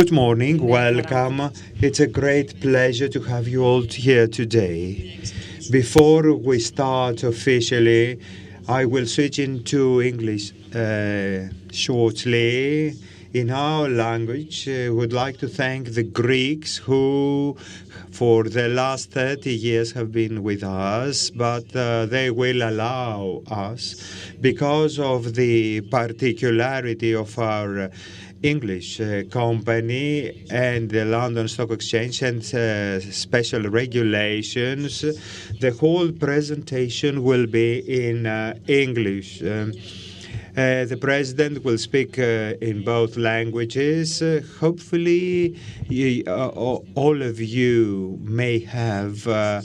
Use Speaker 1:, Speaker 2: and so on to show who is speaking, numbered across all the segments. Speaker 1: Good morning. Welcome. It's a great pleasure to have you all here today. Before we start officially, I will switch into English shortly. In our language, I would like to thank the Greeks who for the last 30 years have been with us, but they will allow us, because of the particularity of our English company and the London Stock Exchange and special regulations, the whole presentation will be in English. The President will speak in both languages. Hopefully, all of you may have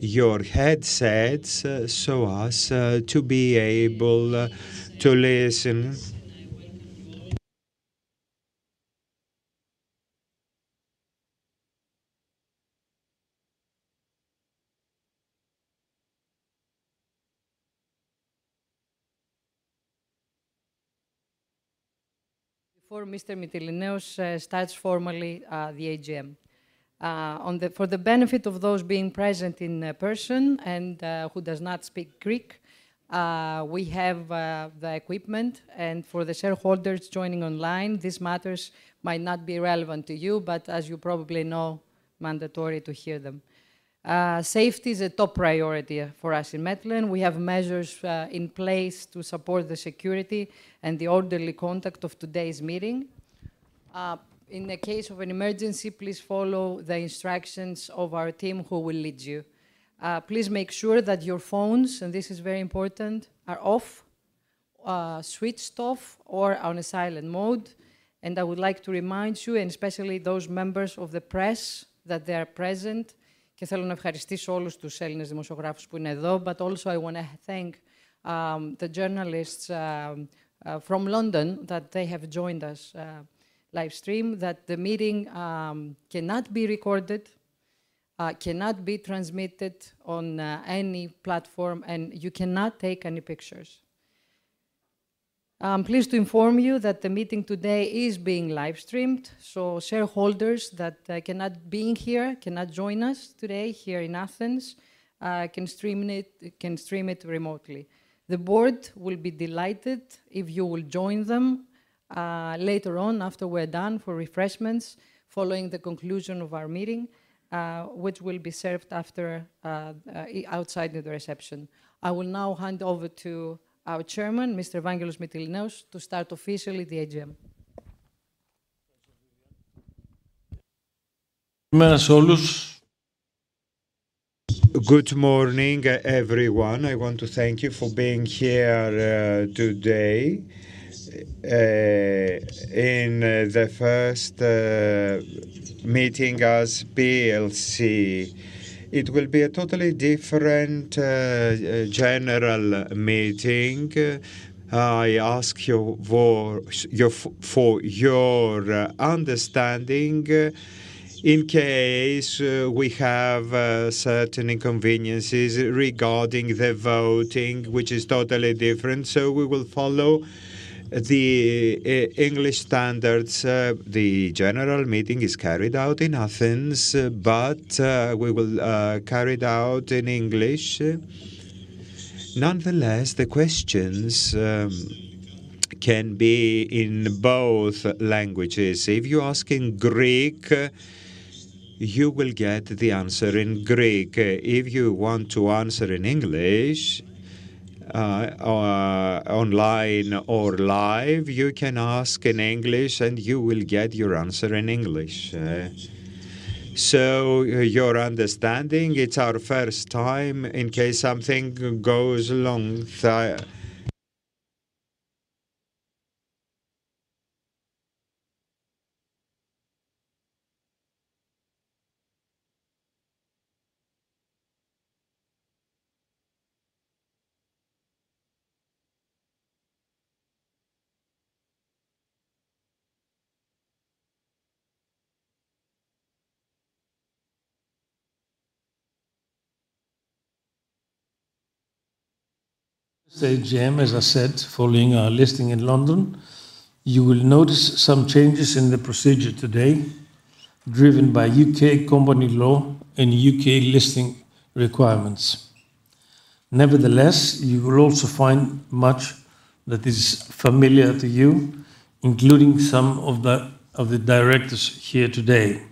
Speaker 1: your headsets so as to be able to listen.
Speaker 2: Before Mr. Mytilineos starts formally the AGM. For the benefit of those being present in person and who does not speak Greek, we have the equipment, and for the shareholders joining online, these matters might not be relevant to you, but as you probably know, mandatory to hear them. Safety is a top priority for us in Metlen. We have measures in place to support the security and the orderly conduct of today's meeting. In the case of an emergency, please follow the instructions of our team, who will lead you. Please make sure that your phones, and this is very important, are off, switched off, or on silent mode. I would like to remind you, and especially those members of the press, that they are present. Also, I want to thank the journalists from London that they have joined us livestream, that the meeting cannot be recorded, cannot be transmitted on any platform, and you cannot take any pictures. I'm pleased to inform you that the meeting today is being livestreamed, so shareholders that cannot be here, cannot join us today here in Athens, can stream it remotely. The board will be delighted if you will join them later on, after we're done, for refreshments following the conclusion of our meeting, which will be served outside the reception. I will now hand over to our Chairman, Mr. Evangelos Mytilineos, to start officially the AGM.
Speaker 1: Good morning, everyone. I want to thank you for being here today in the first meeting as PLC. It will be a totally different general meeting. I ask for your understanding in case we have certain inconveniences regarding the voting, which is totally different. We will follow the English standards. The general meeting is carried out in Athens, but we will carry it out in English. Nonetheless, the questions can be in both languages. If you ask in Greek, you will get the answer in Greek. If you want to answer in English, online or live, you can ask in English, and you will get your answer in English. Your understanding, it's our first time in case something goes wrong. This AGM, as I said, following our listing in London, you will notice some changes in the procedure today driven by U.K. company law and U.K. listing requirements. Nevertheless, you will also find much that is familiar to you, including some of the directors here today.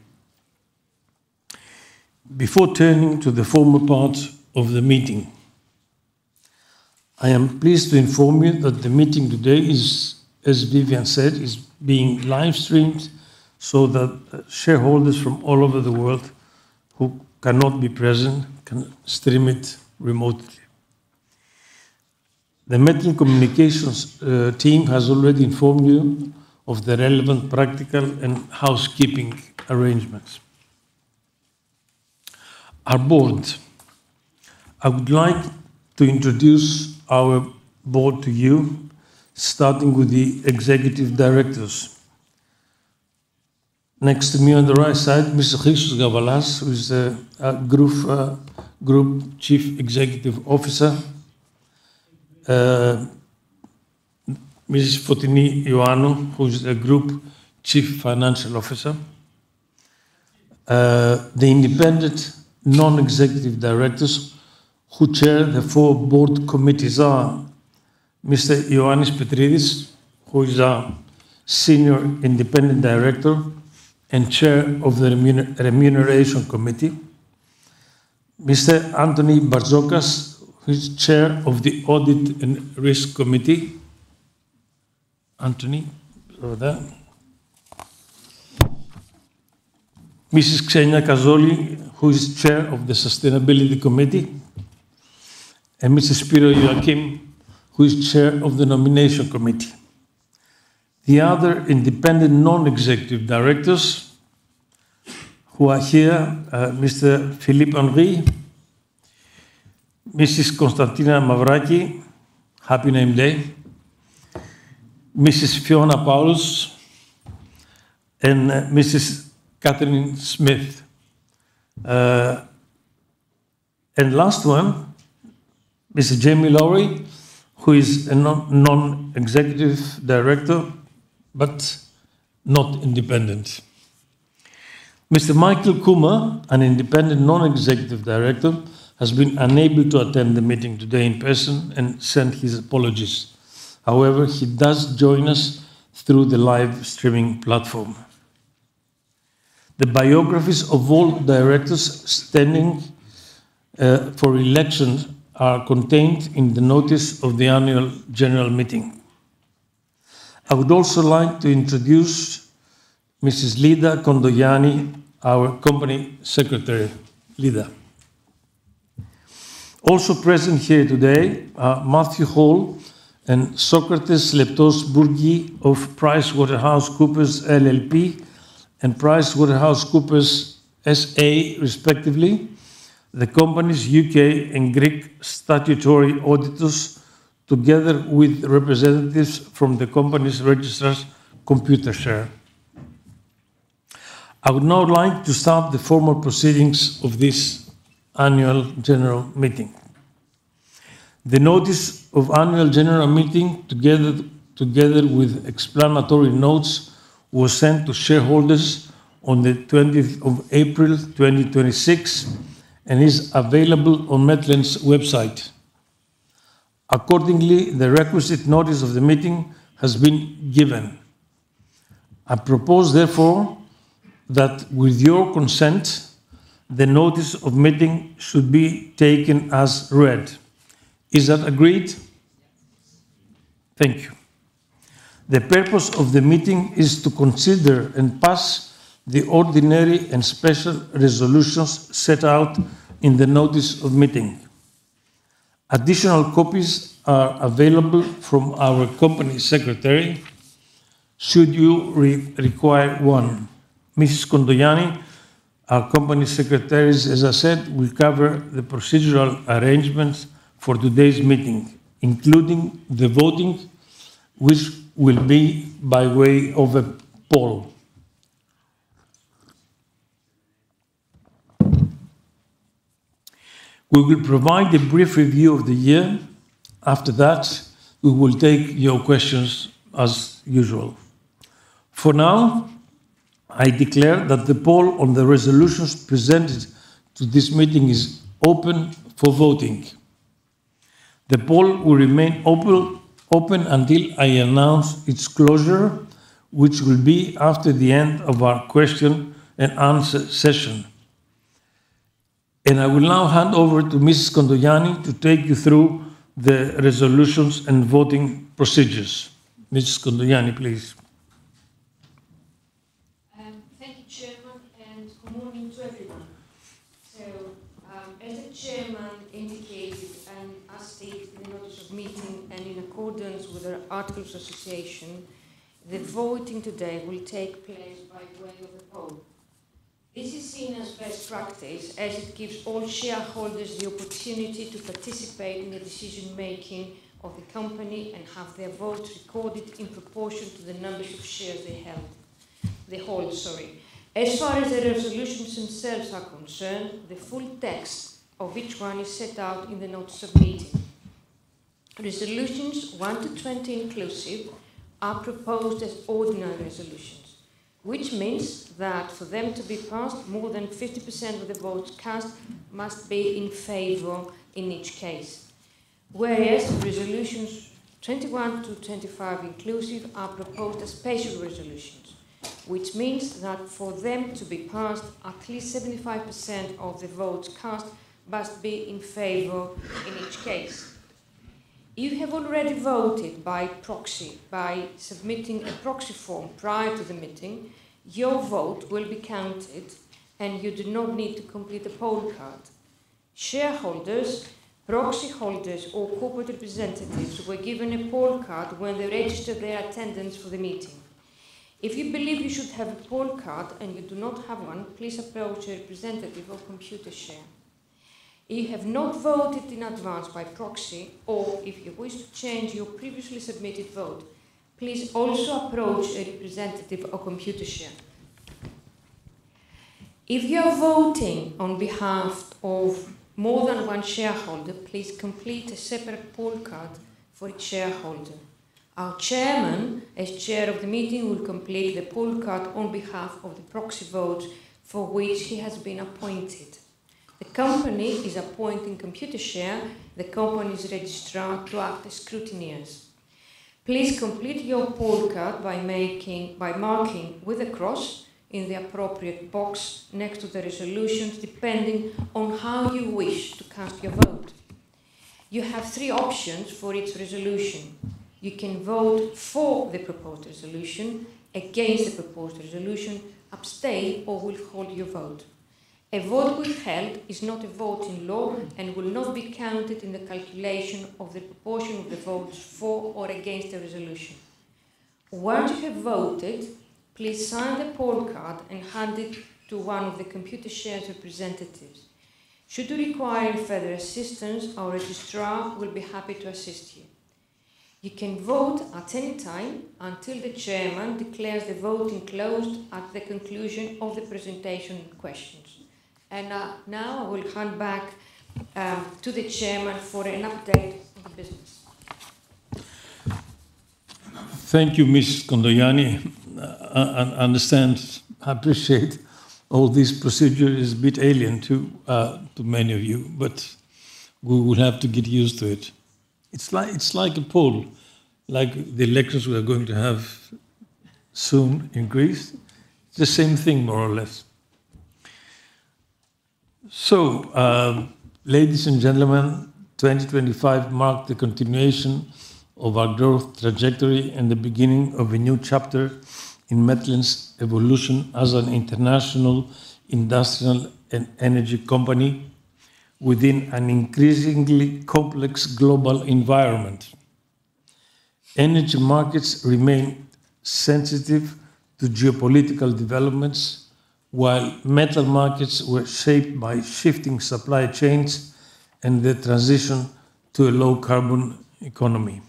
Speaker 1: Before turning to the formal part of the meeting, I am pleased to inform you that the meeting today, as Vivian said, is being livestreamed so that shareholders from all over the world who cannot be present can stream it remotely. The Metlen communications team has already informed you of the relevant practical and housekeeping arrangements. Our board. I would like to introduce our board to you, starting with the executive directors. Next to me on the right side, Mr. Christos Gavalas, who is the Group Chief Executive Officer. Mrs. Fotini Ioannou, who is the Group Chief Financial Officer. The independent non-executive directors who chair the four board committees are Mr. Ioannis Petrides, who is our Senior Independent Director and Chair of the Remuneration Committee. Mr. Anthony Bartzokas, who is Chair of the Audit and Risk Committee. Anthony, over there. Mrs. Xenia Kazoli, who is Chair of the Sustainability Committee, and Mr. Spiros Ioakim, who is Chair of the Nomination Committee. The other independent non-executive directors who are here, Mr. Philippe Henry, Mrs. Konstantina Mavraki, happy name day, Mrs. Fiona Paulus, and Mrs. Katharine Smith. Last one, Mr. Jamie Lowry, who is a non-executive director, but not independent. Mr. Michael Kumar, an independent non-executive director, has been unable to attend the meeting today in person and sent his apologies. He does join us through the live streaming platform. The biographies of all directors standing for election are contained in the notice of the annual general meeting. I would also like to introduce Mrs. Leda Condoyanni, our Company Secretary. Leda. Also present here today are Matthew Hall and Socrates Leptos-Bourgi of PricewaterhouseCoopers LLP and PricewaterhouseCoopers SA, respectively, the company's U.K. and Greek statutory auditors, together with representatives from the company's registrars, Computershare. I would now like to start the formal proceedings of this annual general meeting. The notice of annual general meeting, together with explanatory notes, was sent to shareholders on the 20th of April 2026 and is available on Metlen's website. Accordingly, the requisite notice of the meeting has been given. I propose therefore that with your consent, the notice of meeting should be taken as read. Is that agreed?
Speaker 3: Yes.
Speaker 1: Thank you. The purpose of the meeting is to consider and pass the ordinary and special resolutions set out in the notice of meeting. Additional copies are available from our Company Secretary, should you require one. Mrs. Condoyanni, our Company Secretary, as I said, will cover the procedural arrangements for today's meeting, including the voting, which will be by way of a poll. We will provide a brief review of the year. After that, we will take your questions as usual. For now, I declare that the poll on the resolutions presented to this meeting is open for voting. The poll will remain open until I announce its closure, which will be after the end of our question-and-answer session. I will now hand over to Mrs. Condoyanni to take you through the resolutions and voting procedures. Mrs. Condoyanni, please.
Speaker 3: Thank you, Chairman. Good morning to everyone. As the Chairman indicated, and as stated in the notice of meeting and in accordance with our articles of association, the voting today will take place by way of a poll. This is seen as best practice, as it gives all shareholders the opportunity to participate in the decision-making of the company and have their votes recorded in proportion to the number of shares they hold. As far as the resolutions themselves are concerned, the full text of each one is set out in the notice of meeting. Resolutions 1-20 inclusive are proposed as ordinary resolutions, which means that for them to be passed, more than 50% of the votes cast must be in favor in each case. Whereas resolutions 21-25 inclusive are proposed as special resolutions, which means that for them to be passed, at least 75% of the votes cast must be in favor in each case. If you have already voted by proxy by submitting a proxy form prior to the meeting, your vote will be counted, and you do not need to complete a poll card. Shareholders, proxy holders, or corporate representatives were given a poll card when they registered their attendance for the meeting. If you believe you should have a poll card and you do not have one, please approach a representative of Computershare. If you have not voted in advance by proxy, or if you wish to change your previously submitted vote, please also approach a representative of Computershare. If you are voting on behalf of more than one shareholder, please complete a separate poll card for each shareholder. Our chairman, as chair of the meeting, will complete the poll card on behalf of the proxy votes for which he has been appointed. The company is appointing Computershare, the company's registrar, to act as scrutineers. Please complete your poll card by marking with a cross in the appropriate box next to the resolutions, depending on how you wish to cast your vote. You have three options for each resolution. You can vote for the proposed resolution, against the proposed resolution, abstain, or withhold your vote. A vote withheld is not a vote in law and will not be counted in the calculation of the proportion of the votes for or against the resolution. Once you have voted, please sign the poll card and hand it to one of the Computershare representatives. Should you require further assistance, our registrar will be happy to assist you. You can vote at any time until the Chairman declares the voting closed at the conclusion of the presentation questions. Now I will hand back to the Chairman for an update on the business.
Speaker 1: Thank you, Ms. Condoyanni. I appreciate all this procedure is a bit alien to many of you, but we will have to get used to it. It's like a poll, like the elections we are going to have soon in Greece. The same thing, more or less. Ladies and gentlemen, 2025 marked the continuation of our growth trajectory and the beginning of a new chapter in Metlen's evolution as an international industrial and energy company within an increasingly complex global environment. Energy markets remain sensitive to geopolitical developments, while metal markets were shaped by shifting supply chains and the transition to a low-carbon economy.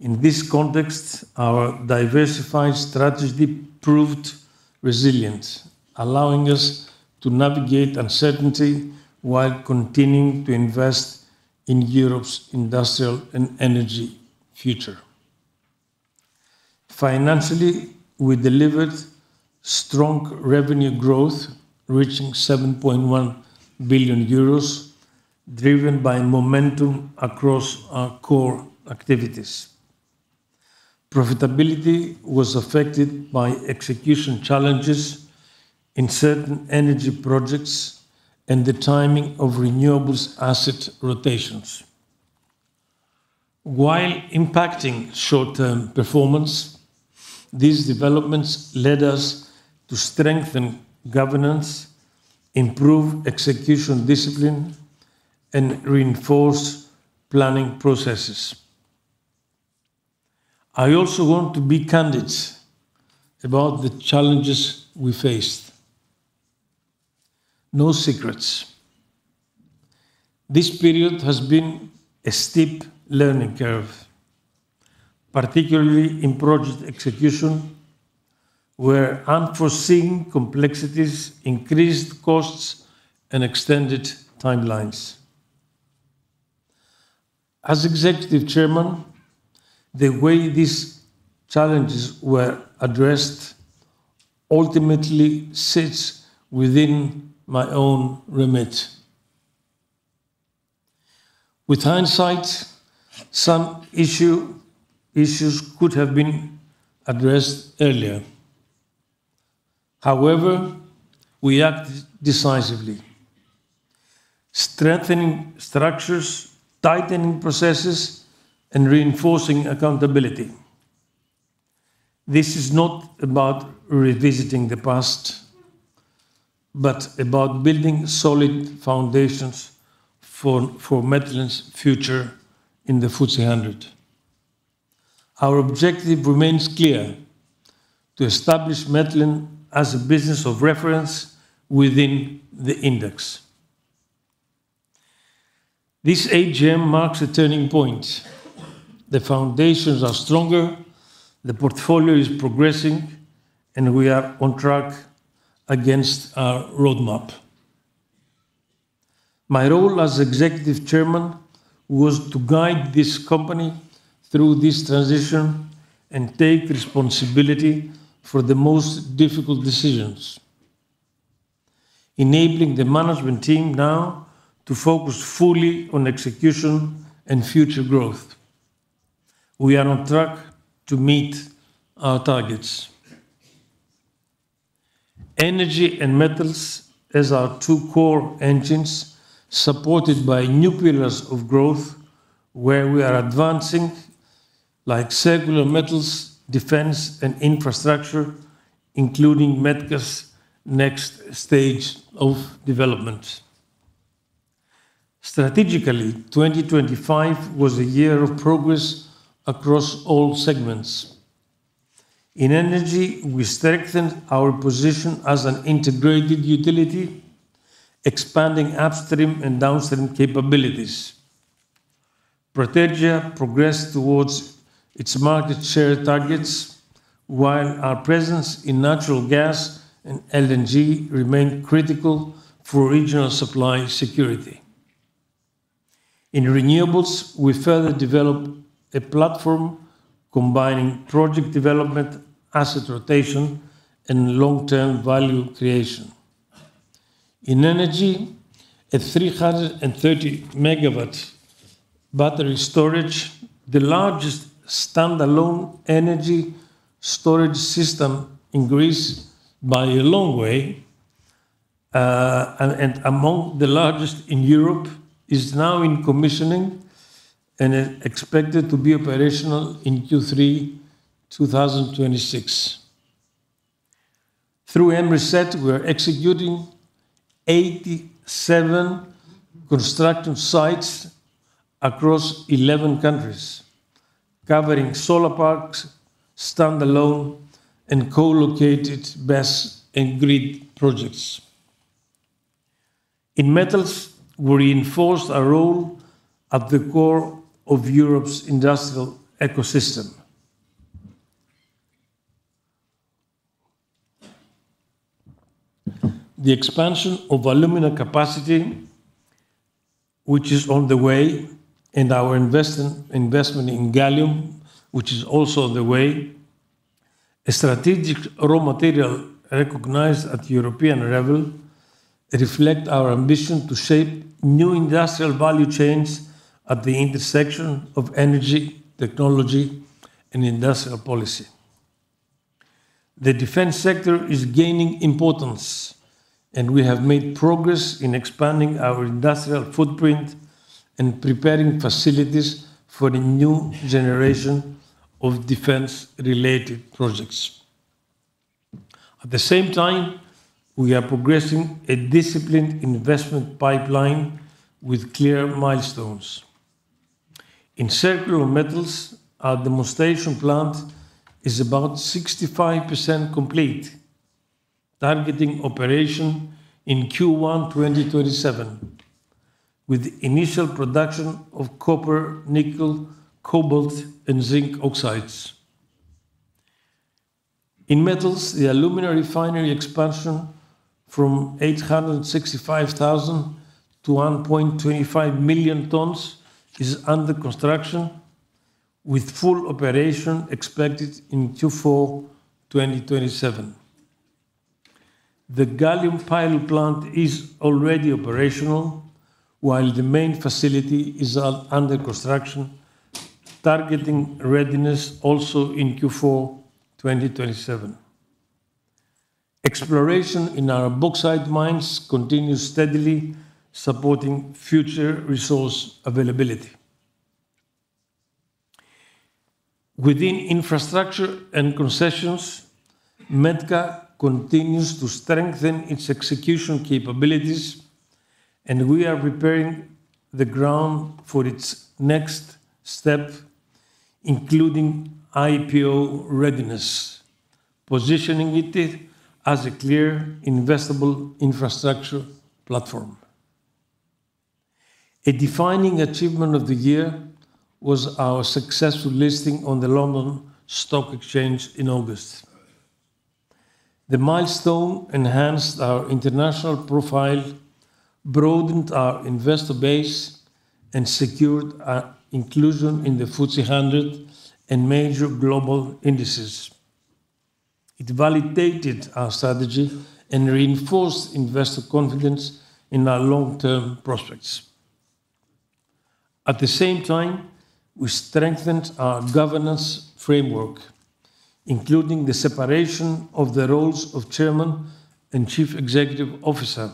Speaker 1: In this context, our diversified strategy proved resilient, allowing us to navigate uncertainty while continuing to invest in Europe's industrial and energy future. Financially, we delivered strong revenue growth, reaching 7.1 billion euros, driven by momentum across our core activities. Profitability was affected by execution challenges in certain energy projects and the timing of renewables asset rotations. While impacting short-term performance, these developments led us to strengthen governance, improve execution discipline, and reinforce planning processes. I also want to be candid about the challenges we faced. No secrets. This period has been a steep learning curve, particularly in project execution, where unforeseen complexities increased costs and extended timelines. As Executive Chairman, the way these challenges were addressed ultimately sits within my own remit. With hindsight, some issues could have been addressed earlier. However, we acted decisively, strengthening structures, tightening processes, and reinforcing accountability. This is not about revisiting the past, but about building solid foundations for Metlen's future in the FTSE 100. Our objective remains clear, to establish Metlen as a business of reference within the index. This AGM marks a turning point. The foundations are stronger, the portfolio is progressing, and we are on track against our roadmap. My role as Executive Chairman was to guide this company through this transition and take responsibility for the most difficult decisions, enabling the management team now to focus fully on execution and future growth. We are on track to meet our targets. Energy and metals as our two core engines, supported by new pillars of growth where we are advancing, like Circular Metals, defense, and infrastructure, including METKA's next stage of development. Strategically, 2025 was a year of progress across all segments. In energy, we strengthened our position as an integrated utility, expanding upstream and downstream capabilities. Protergia progressed towards its market share targets, while our presence in natural gas and LNG remained critical for regional supply security. In renewables, we further developed a platform combining project development, asset rotation, and long-term value creation. In energy, a 330 MW battery storage, the largest standalone energy storage system in Greece by a long way, and among the largest in Europe, is now in commissioning and is expected to be operational in Q3 2026. Through Enerset, we are executing 87 construction sites across 11 countries, covering solar parks, standalone, and co-located BESS and grid projects. In metals, we reinforced our role at the core of Europe's industrial ecosystem. The expansion of alumina capacity, which is on the way, and our investment in gallium, which is also on the way, a strategic raw material recognized at European level, reflect our ambition to shape new industrial value chains at the intersection of energy, technology, and industrial policy. The defense sector is gaining importance, and we have made progress in expanding our industrial footprint and preparing facilities for the new generation of defense-related projects. At the same time, we are progressing a disciplined investment pipeline with clear milestones. In Circular Metals, our demonstration plant is about 65% complete, targeting operation in Q1 2027, with initial production of copper, nickel, cobalt, and zinc oxide. In metals, the alumina refinery expansion from 865,000 to 1.25 million tons is under construction, with full operation expected in Q4 2027. The gallium pilot plant is already operational, while the main facility is under construction, targeting readiness also in Q4 2027. Exploration in our bauxite mines continues steadily, supporting future resource availability. Within infrastructure and concessions, METKA continues to strengthen its execution capabilities, and we are preparing the ground for its next step, including IPO readiness, positioning it as a clear investable infrastructure platform. A defining achievement of the year was our successful listing on the London Stock Exchange in August. The milestone enhanced our international profile, broadened our investor base, and secured our inclusion in the FTSE 100 and major global indices. It validated our strategy and reinforced investor confidence in our long-term prospects. At the same time, we strengthened our governance framework, including the separation of the roles of Chairman and Chief Executive Officer,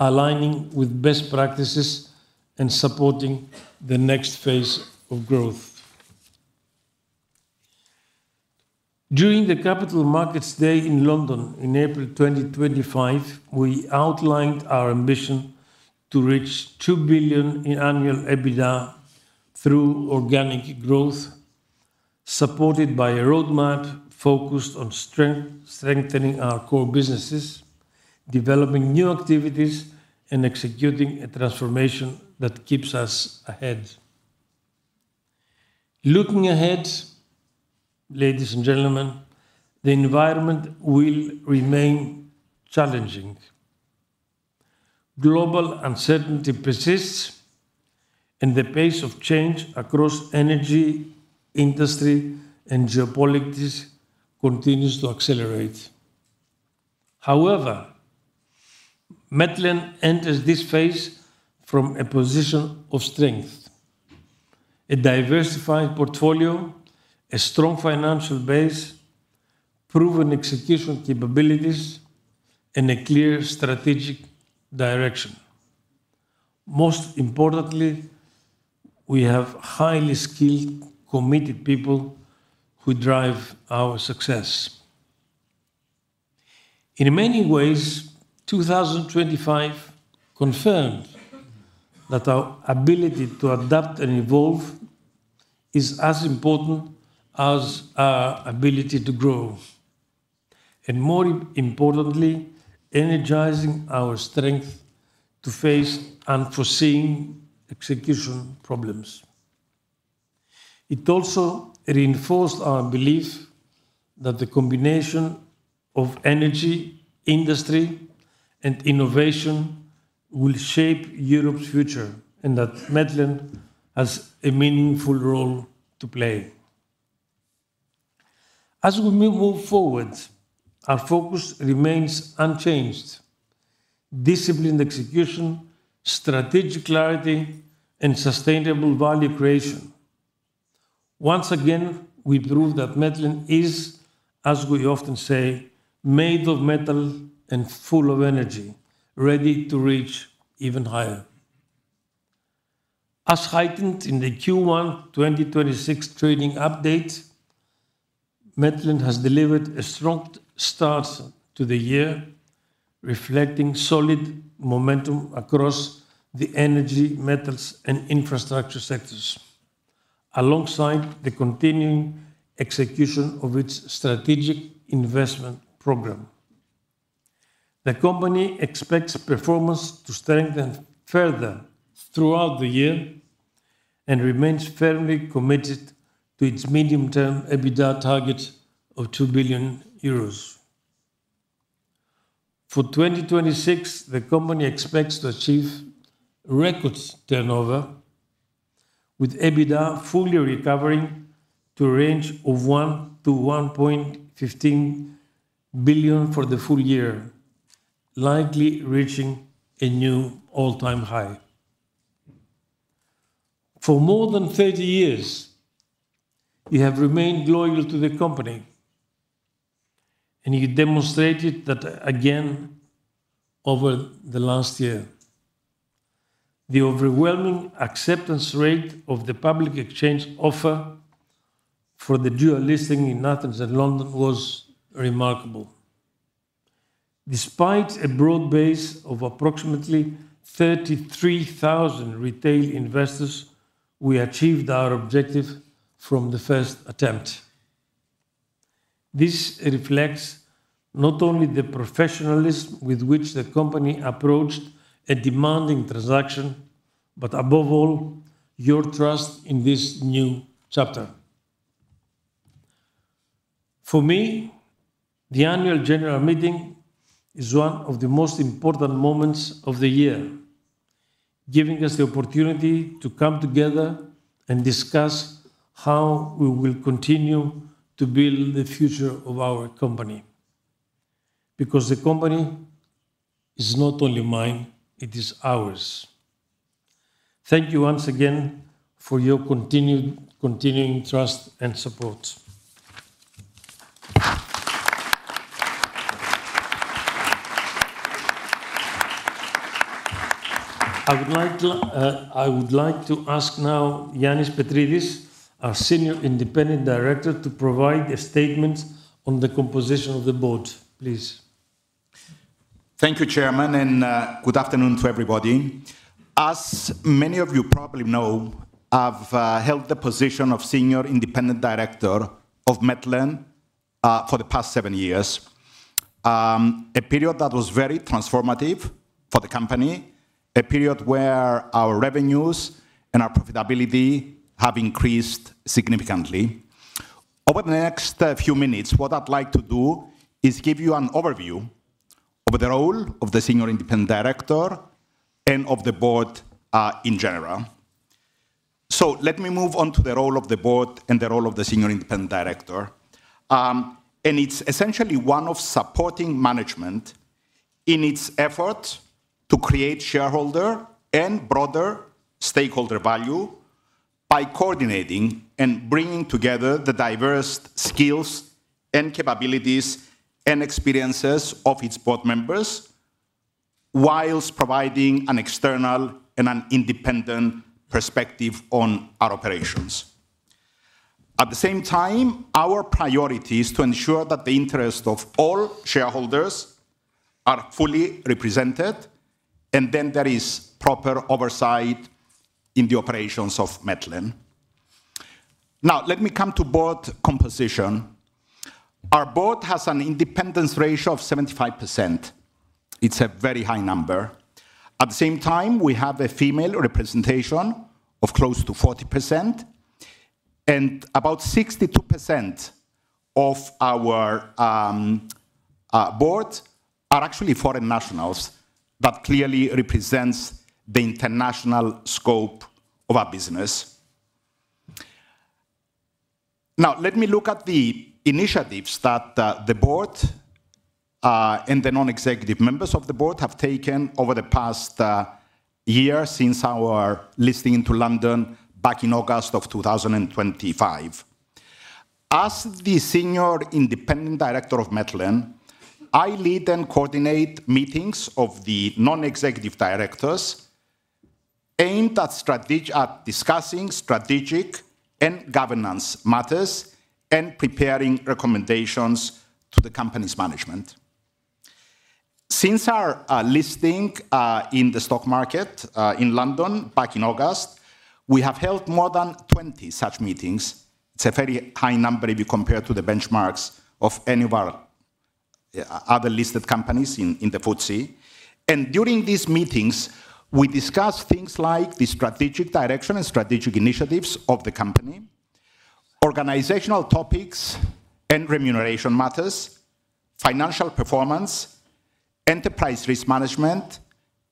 Speaker 1: aligning with best practices and supporting the next phase of growth. During the Capital Markets Day in London in April 2025, we outlined our ambition to reach 2 billion in annual EBITDA through organic growth, supported by a roadmap focused on strengthening our core businesses, developing new activities, and executing a transformation that keeps us ahead. Looking ahead, ladies and gentlemen, the environment will remain challenging. Global uncertainty persists, the pace of change across energy, industry, and geopolitics continues to accelerate. However, Metlen enters this phase from a position of strength. A diversified portfolio, a strong financial base, proven execution capabilities, and a clear strategic direction. Most importantly, we have highly skilled, committed people who drive our success. In many ways, 2025 confirmed that our ability to adapt and evolve is as important as our ability to grow, and more importantly, energizing our strength to face unforeseen execution problems. It also reinforced our belief that the combination of energy, industry, and innovation will shape Europe's future, and that Metlen has a meaningful role to play. As we move forward, our focus remains unchanged. Disciplined execution, strategic clarity, and sustainable value creation. Once again, we prove that Metlen is, as we often say, made of metal and full of energy, ready to reach even higher. As heightened in the Q1 2026 trading update, Metlen has delivered a strong start to the year, reflecting solid momentum across the energy, metals, and infrastructure sectors, alongside the continuing execution of its strategic investment program. The company expects performance to strengthen further throughout the year and remains firmly committed to its medium-term EBITDA target of 2 billion euros. For 2026, the company expects to achieve record turnover, with EBITDA fully recovering to a range of 1 billion-1.15 billion for the full year, likely reaching a new all-time high. For more than 30 years, you have remained loyal to the company, and you demonstrated that again over the last year. The overwhelming acceptance rate of the public exchange offer for the dual listing in Athens and London was remarkable. Despite a broad base of approximately 33,000 retail investors, we achieved our objective from the first attempt. This reflects not only the professionalism with which the company approached a demanding transaction, but above all, your trust in this new chapter. For me, the annual general meeting is one of the most important moments of the year, giving us the opportunity to come together and discuss how we will continue to build the future of our company, because the company is not only mine, it is ours. Thank you once again for your continuing trust and support. I would like to ask now Ioannis Petrides, our Senior Independent Director, to provide a statement on the composition of the board, please.
Speaker 4: Thank you, Chairman. Good afternoon to everybody. As many of you probably know, I've held the position of senior independent director of Metlen for the past seven years, a period that was very transformative for the company, a period where our revenues and our profitability have increased significantly. Over the next few minutes, what I'd like to do is give you an overview of the role of the senior independent director and of the board in general. Let me move on to the role of the board and the role of the senior independent director. It's essentially one of supporting management in its effort to create shareholder and broader stakeholder value by coordinating and bringing together the diverse skills and capabilities and experiences of its board members while providing an external and an independent perspective on our operations. Our priority is to ensure that the interest of all shareholders are fully represented, and then there is proper oversight in the operations of Metlen. Let me come to board composition. Our board has an independence ratio of 75%. It's a very high number. We have a female representation of close to 40%, and about 62% of our board are actually foreign nationals. That clearly represents the international scope of our business. Let me look at the initiatives that the board and the non-executive members of the board have taken over the past year since our listing into London back in August of 2025. As the senior independent director of Metlen, I lead and coordinate meetings of the non-executive directors aimed at discussing strategic and governance matters and preparing recommendations to the company's management. Since our listing in the stock market in London back in August, we have held more than 20 such meetings. It's a very high number if you compare to the benchmarks of any of our other listed companies in the FTSE. During these meetings, we discussed things like the strategic direction and strategic initiatives of the company, organizational topics and remuneration matters, financial performance, enterprise risk management,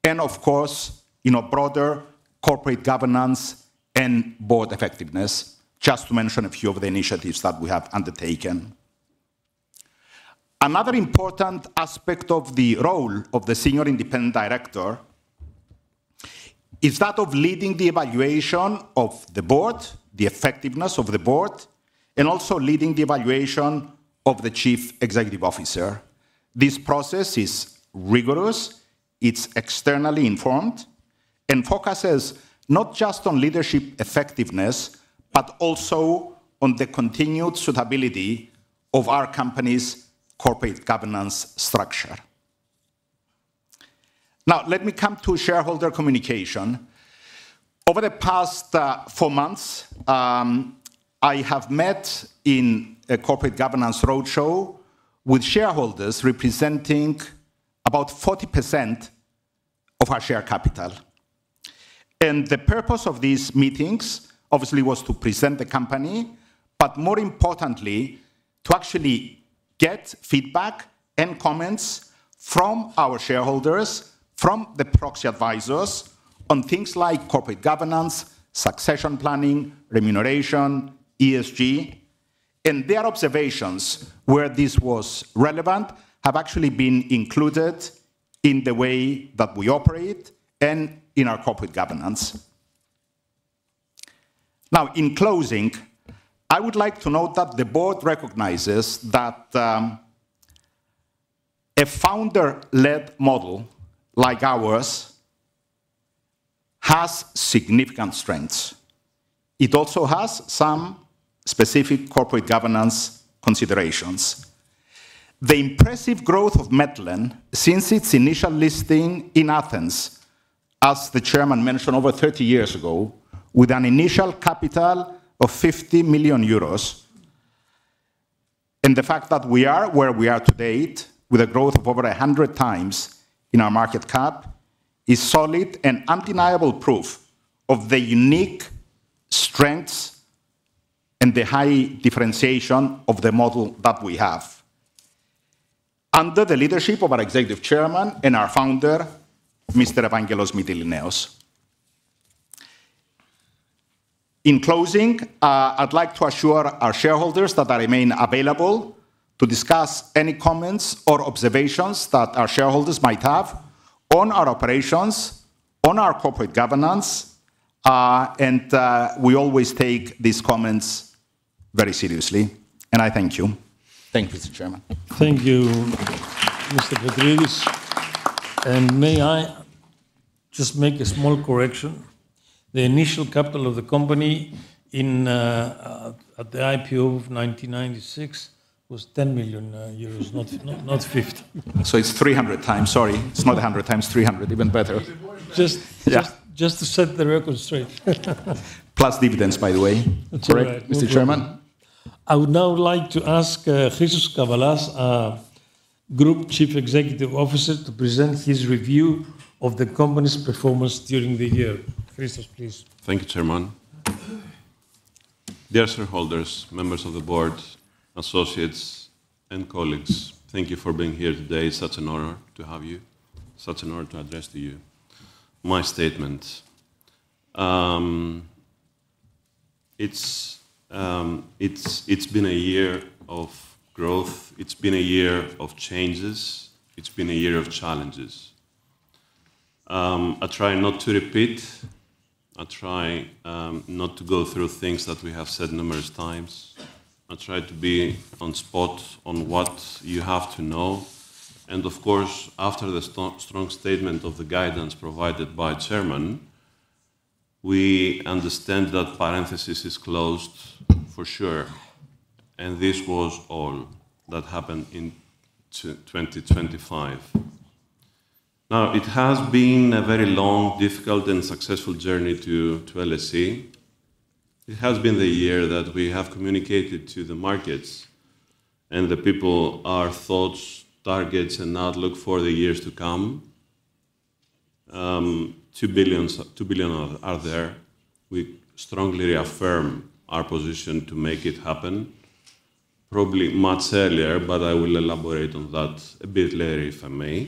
Speaker 4: and of course, broader corporate governance and board effectiveness, just to mention a few of the initiatives that we have undertaken. Another important aspect of the role of the senior independent director is that of leading the evaluation of the board, the effectiveness of the board, and also leading the evaluation of the chief executive officer. This process is rigorous, it's externally informed, and focuses not just on leadership effectiveness, but also on the continued suitability of our company's corporate governance structure. Let me come to shareholder communication. Over the past four months, I have met in a corporate governance roadshow with shareholders representing about 40% of our share capital. The purpose of these meetings obviously was to present the company, but more importantly, to actually get feedback and comments from our shareholders, from the proxy advisors on things like corporate governance, succession planning, remuneration, ESG, and their observations, where this was relevant, have actually been included in the way that we operate and in our corporate governance. In closing, I would like to note that the Board recognizes that a founder-led model like ours has significant strengths. It also has some specific corporate governance considerations. The impressive growth of Metlen since its initial listing in Athens, as the Chairman mentioned, over 30 years ago, with an initial capital of 50 million euros, and the fact that we are where we are today with a growth of over 100 times in our market cap, is solid and undeniable proof of the unique strengths and the high differentiation of the model that we have under the leadership of our Executive Chairman and our Founder, Mr. Evangelos Mytilineos. In closing, I'd like to assure our shareholders that I remain available to discuss any comments or observations that our shareholders might have on our operations, on our corporate governance, and we always take these comments very seriously. I thank you. Thank you, Mr. Chairman.
Speaker 1: Thank you, Mr. Petrides. May I just make a small correction? The initial capital of the company at the IPO of 1996 was 10 million euros, not 50 million.
Speaker 4: It's 300 times, sorry. It's not 100 times, 300 times, even better.
Speaker 1: Just-
Speaker 4: Yeah
Speaker 1: just to set the record straight.
Speaker 4: Plus dividends, by the way.
Speaker 1: That's right.
Speaker 4: Mr. Chairman.
Speaker 1: I would now like to ask Christos Gavalas, Group Chief Executive Officer, to present his review of the company's performance during the year. Christos, please.
Speaker 5: Thank you, Chairman. Dear shareholders, members of the board, associates, and colleagues, thank you for being here today. Such an honor to have you. Such an honor to address to you my statement. It's been a year of growth. It's been a year of changes. It's been a year of challenges. I'll try not to repeat. I'll try not to go through things that we have said numerous times. I'll try to be on spot on what you have to know. Of course, after the strong statement of the guidance provided by Chairman, we understand that parenthesis is closed for sure. This was all that happened in 2025. Now, it has been a very long, difficult, and successful journey to LSE. It has been the year that we have communicated to the markets and the people our thoughts, targets, and outlook for the years to come. 2 billion are there. We strongly reaffirm our position to make it happen probably much earlier, but I will elaborate on that a bit later, if I may.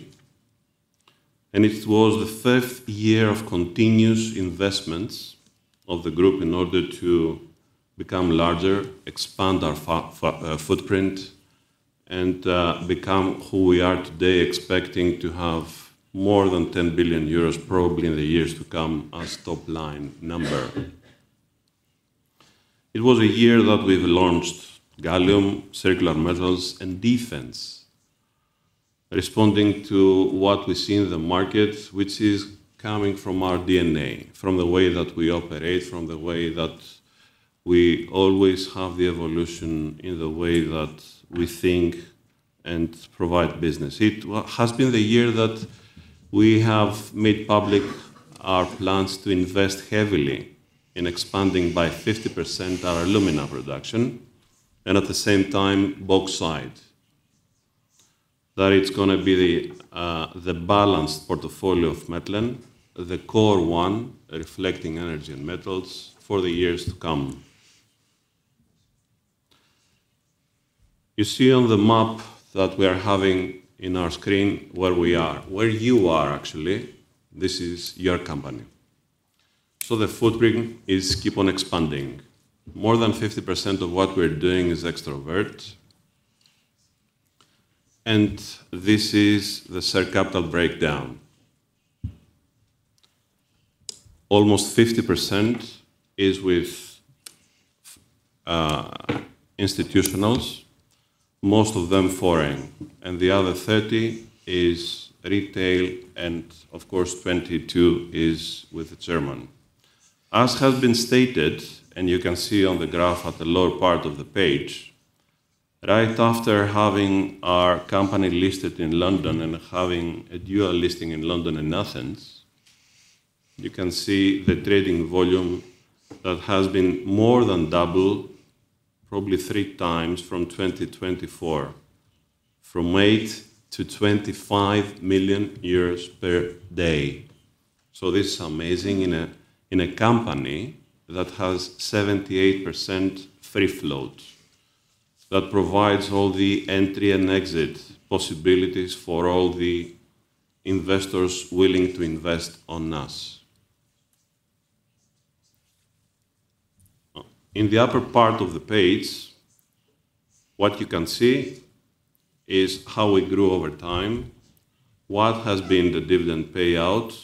Speaker 5: It was the fifth year of continuous investments of the group in order to become larger, expand our footprint, and become who we are today, expecting to have more than 10 billion euros probably in the years to come as top-line number. It was a year that we've launched gallium, Circular Metals, and Defense, responding to what we see in the market, which is coming from our DNA, from the way that we operate, from the way that we always have the evolution in the way that we think and provide business. It has been the year that we have made public our plans to invest heavily in expanding by 50% our alumina production, and at the same time, bauxite. That it's going to be the balanced portfolio of Metlen, the core one, reflecting energy and metals for the years to come. You see on the map that we are having in our screen where we are, where you are, actually. This is your company. The footprint keeps on expanding. More than 50% of what we're doing is extrovert. This is the share capital breakdown. Almost 50% is with institutionals, most of them foreign, and the other 30% is retail, and of course, 22% is with the chairman. As has been stated, and you can see on the graph at the lower part of the page, right after having our company listed in London and having a dual listing in London and Athens, you can see the trading volume that has been more than double, probably 3 times from 2024, from 8 million-25 million per day. This is amazing in a company that has 78% free float, that provides all the entry and exit possibilities for all the investors willing to invest in us. In the upper part of the page, what you can see is how we grew over time, what has been the dividend payout,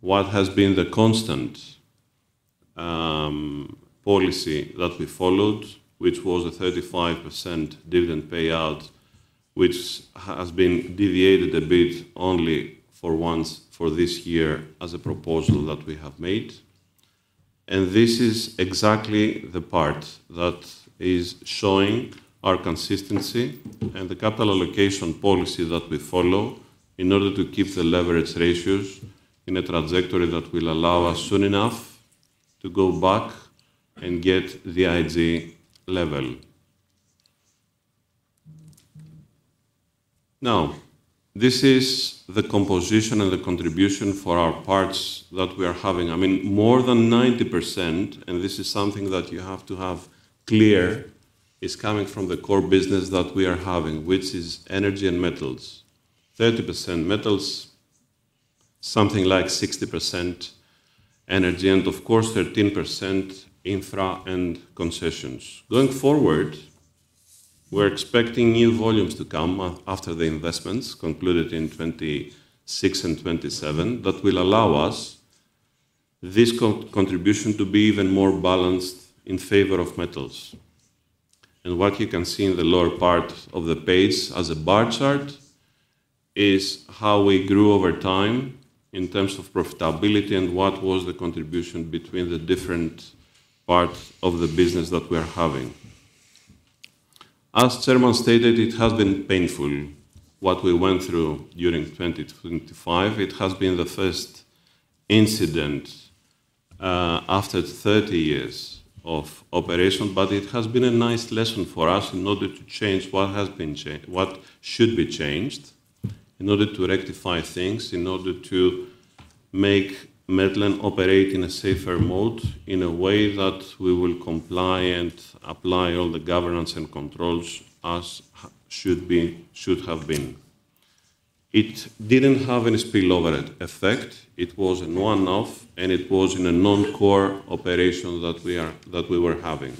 Speaker 5: what has been the constant policy that we followed, which was a 35% dividend payout, which has been deviated a bit only for once for this year as a proposal that we have made. This is exactly the part that is showing our consistency and the capital allocation policy that we follow in order to keep the leverage ratios in a trajectory that will allow us soon enough to go back and get the IG level. This is the composition and the contribution for our parts that we are having. More than 90%, and this is something that you have to have clear, is coming from the core business that we are having, which is Energy & Metals. 30% metals, something like 60% energy, and of course, 13% Infra & Concessions. Going forward, we're expecting new volumes to come after the investments concluded in 2026 and 2027 that will allow us this contribution to be even more balanced in favor of metals. What you can see in the lower part of the page as a bar chart is how we grew over time in terms of profitability and what was the contribution between the different parts of the business that we are having. As Chairman stated, it has been painful what we went through during 2025. It has been the first incident after 30 years of operation, but it has been a nice lesson for us in order to change what should be changed, in order to rectify things, in order to make Metlen operate in a safer mode, in a way that we will comply and apply all the governance and controls as should have been. It didn't have any spillover effect. It was a one-off, and it was in a non-core operation that we were having.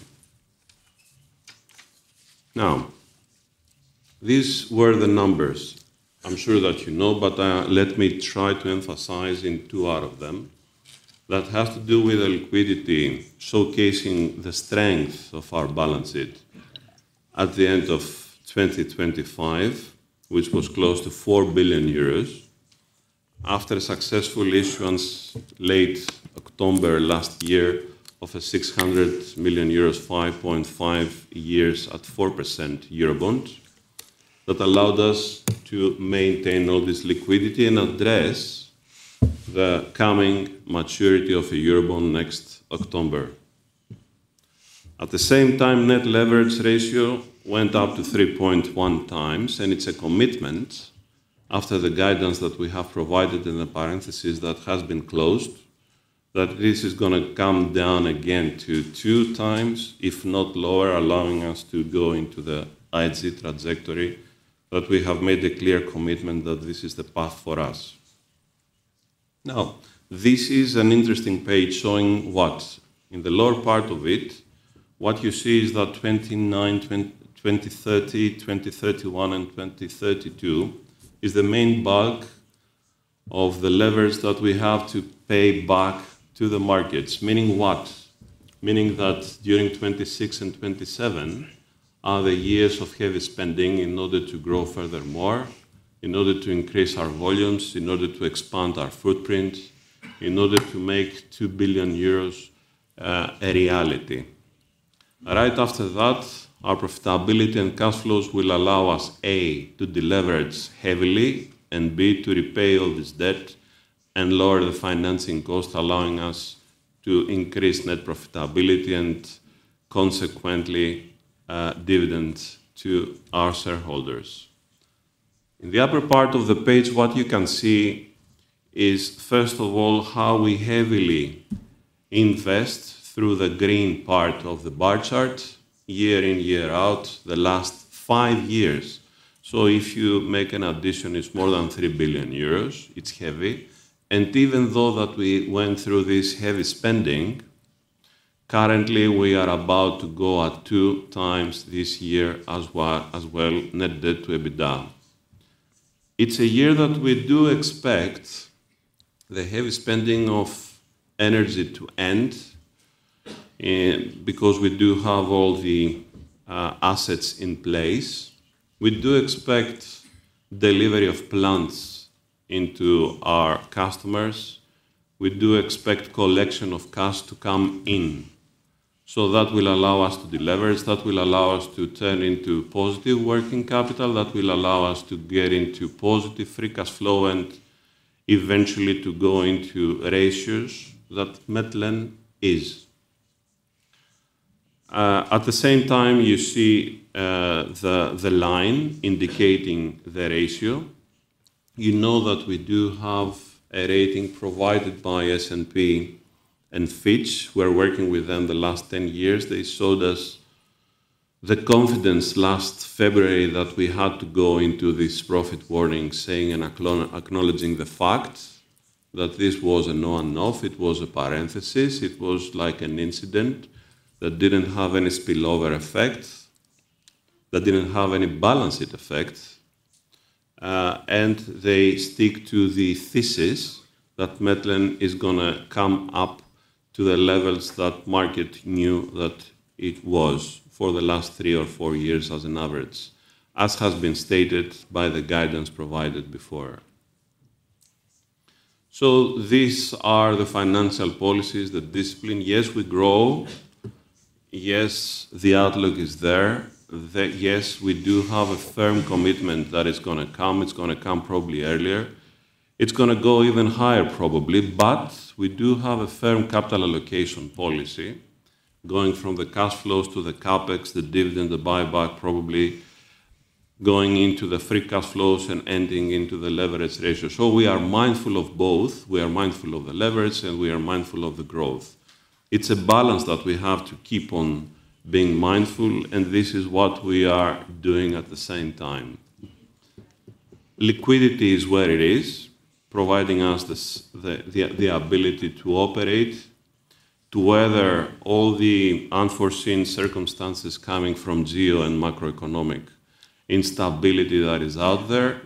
Speaker 5: These were the numbers. I'm sure that you know, but let me try to emphasize in two out of them that have to do with the liquidity, showcasing the strength of our balance sheet at the end of 2025, which was close to 4 billion euros. After a successful issuance late October last year of a 600 million euros, 5.5 years at 4% Eurobond, that allowed us to maintain all this liquidity and address the coming maturity of the Eurobond next October. At the same time, net leverage ratio went up to 3.1 times, and it's a commitment after the guidance that we have provided in the parenthesis that has been closed, that this is going to come down again to 2 times, if not lower, allowing us to go into the IG trajectory. We have made a clear commitment that this is the path for us. This is an interesting page showing what? In the lower part of it, what you see is that 2029, 2030, 2031, and 2032 is the main bulk of the leverage that we have to pay back to the markets. Meaning what? Meaning that during 2026 and 2027 are the years of heavy spending in order to grow furthermore, in order to increase our volumes, in order to expand our footprint, in order to make 2 billion euros a reality. After that, our profitability and cash flows will allow us, A, to deleverage heavily, and B, to repay all this debt and lower the financing cost, allowing us to increase net profitability and consequently dividends to our shareholders. In the upper part of the page, what you can see is, first of all, how we heavily invest through the green part of the bar chart year in, year out, the last five years. If you make an addition, it's more than 3 billion euros. It's heavy. Even though that we went through this heavy spending, currently, we are about to go at 2 times this year as well net debt to EBITDA. It's a year that we do expect the heavy spending of energy to end because we do have all the assets in place. We do expect delivery of plants into our customers. We do expect collection of cash to come in. That will allow us to deleverage. That will allow us to turn into positive working capital. That will allow us to get into positive free cash flow and eventually to go into ratios that Metlen is. At the same time, you see the line indicating the ratio. You know that we do have a rating provided by S&P and Fitch. We're working with them the last 10 years. They showed us the confidence last February that we had to go into this profit warning, saying and acknowledging the fact that this was a no one-off. It was a parenthesis. It was like an incident that didn't have any spillover effect, that didn't have any balance sheet effect. They stick to the thesis that Metlen is going to come up to the levels that market knew that it was for the last three years or four years as an average, as has been stated by the guidance provided before. These are the financial policies, the discipline. Yes, we grow. Yes, the outlook is there. Yes, we do have a firm commitment that it's going to come. It's going to come probably earlier. It's going to go even higher, probably, but we do have a firm capital allocation policy going from the cash flows to the CapEx, the dividend, the buyback, probably going into the free cash flows and ending into the leverage ratio. We are mindful of both. We are mindful of the leverage, and we are mindful of the growth. It's a balance that we have to keep on being mindful, and this is what we are doing at the same time. Liquidity is where it is, providing us the ability to operate, to weather all the unforeseen circumstances coming from geo and macroeconomic instability that is out there,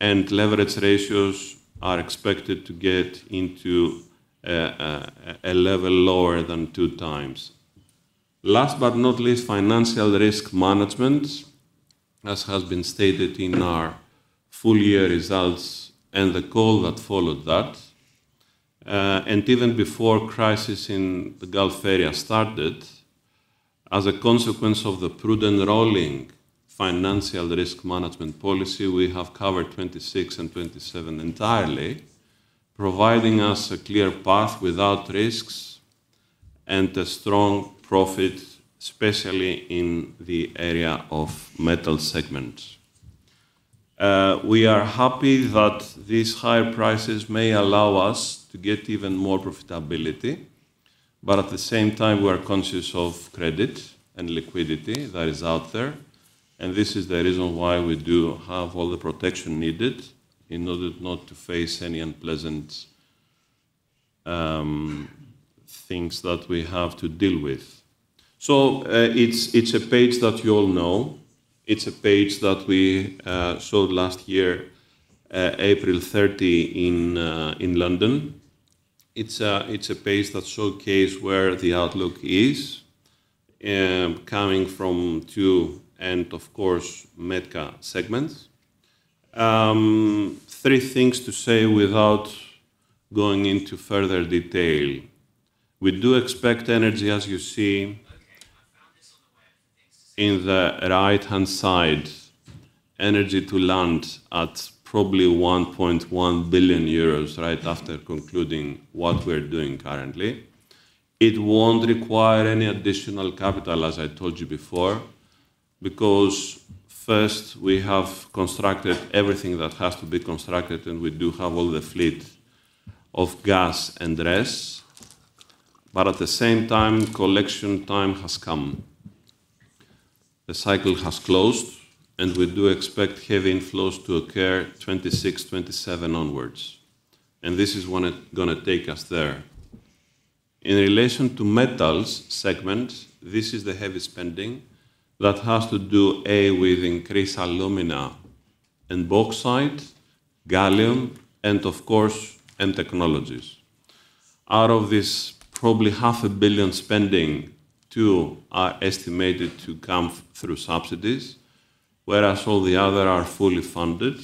Speaker 5: and leverage ratios are expected to get into a level lower than 2 times. Last but not least, financial risk management, as has been stated in our full-year results and the call that followed that. Even before crisis in the Gulf area started, as a consequence of the prudent rolling financial risk management policy, we have covered 2026 and 2027 entirely, providing us a clear path without risks and a strong profit, especially in the area of metal segment. We are happy that these higher prices may allow us to get even more profitability. At the same time, we are conscious of credit and liquidity that is out there. This is the reason why we do have all the protection needed in order not to face any unpleasant things that we have to deal with. It's a page that you all know. It's a page that we showed last year, April 30 in London. It's a page that showcase where the outlook is, coming from two, and of course, METKA segments. Three things to say without going into further detail. We do expect energy, as you see in the right-hand side, energy to land at probably 1.1 billion euros right after concluding what we're doing currently. It won't require any additional capital, as I told you before, because first, we have constructed everything that has to be constructed, and we do have all the fleet of gas and RES. At the same time, collection time has come. The cycle has closed, and we do expect heavy inflows to occur 2026, 2027 onwards. This is going to take us there. In relation to Metals segment, this is the heavy spending that has to do A, with increased alumina and bauxite, gallium, and of course, M Technologies. Out of this probably 0.5 billion Spending, two are estimated to come through subsidies, whereas all the other are fully funded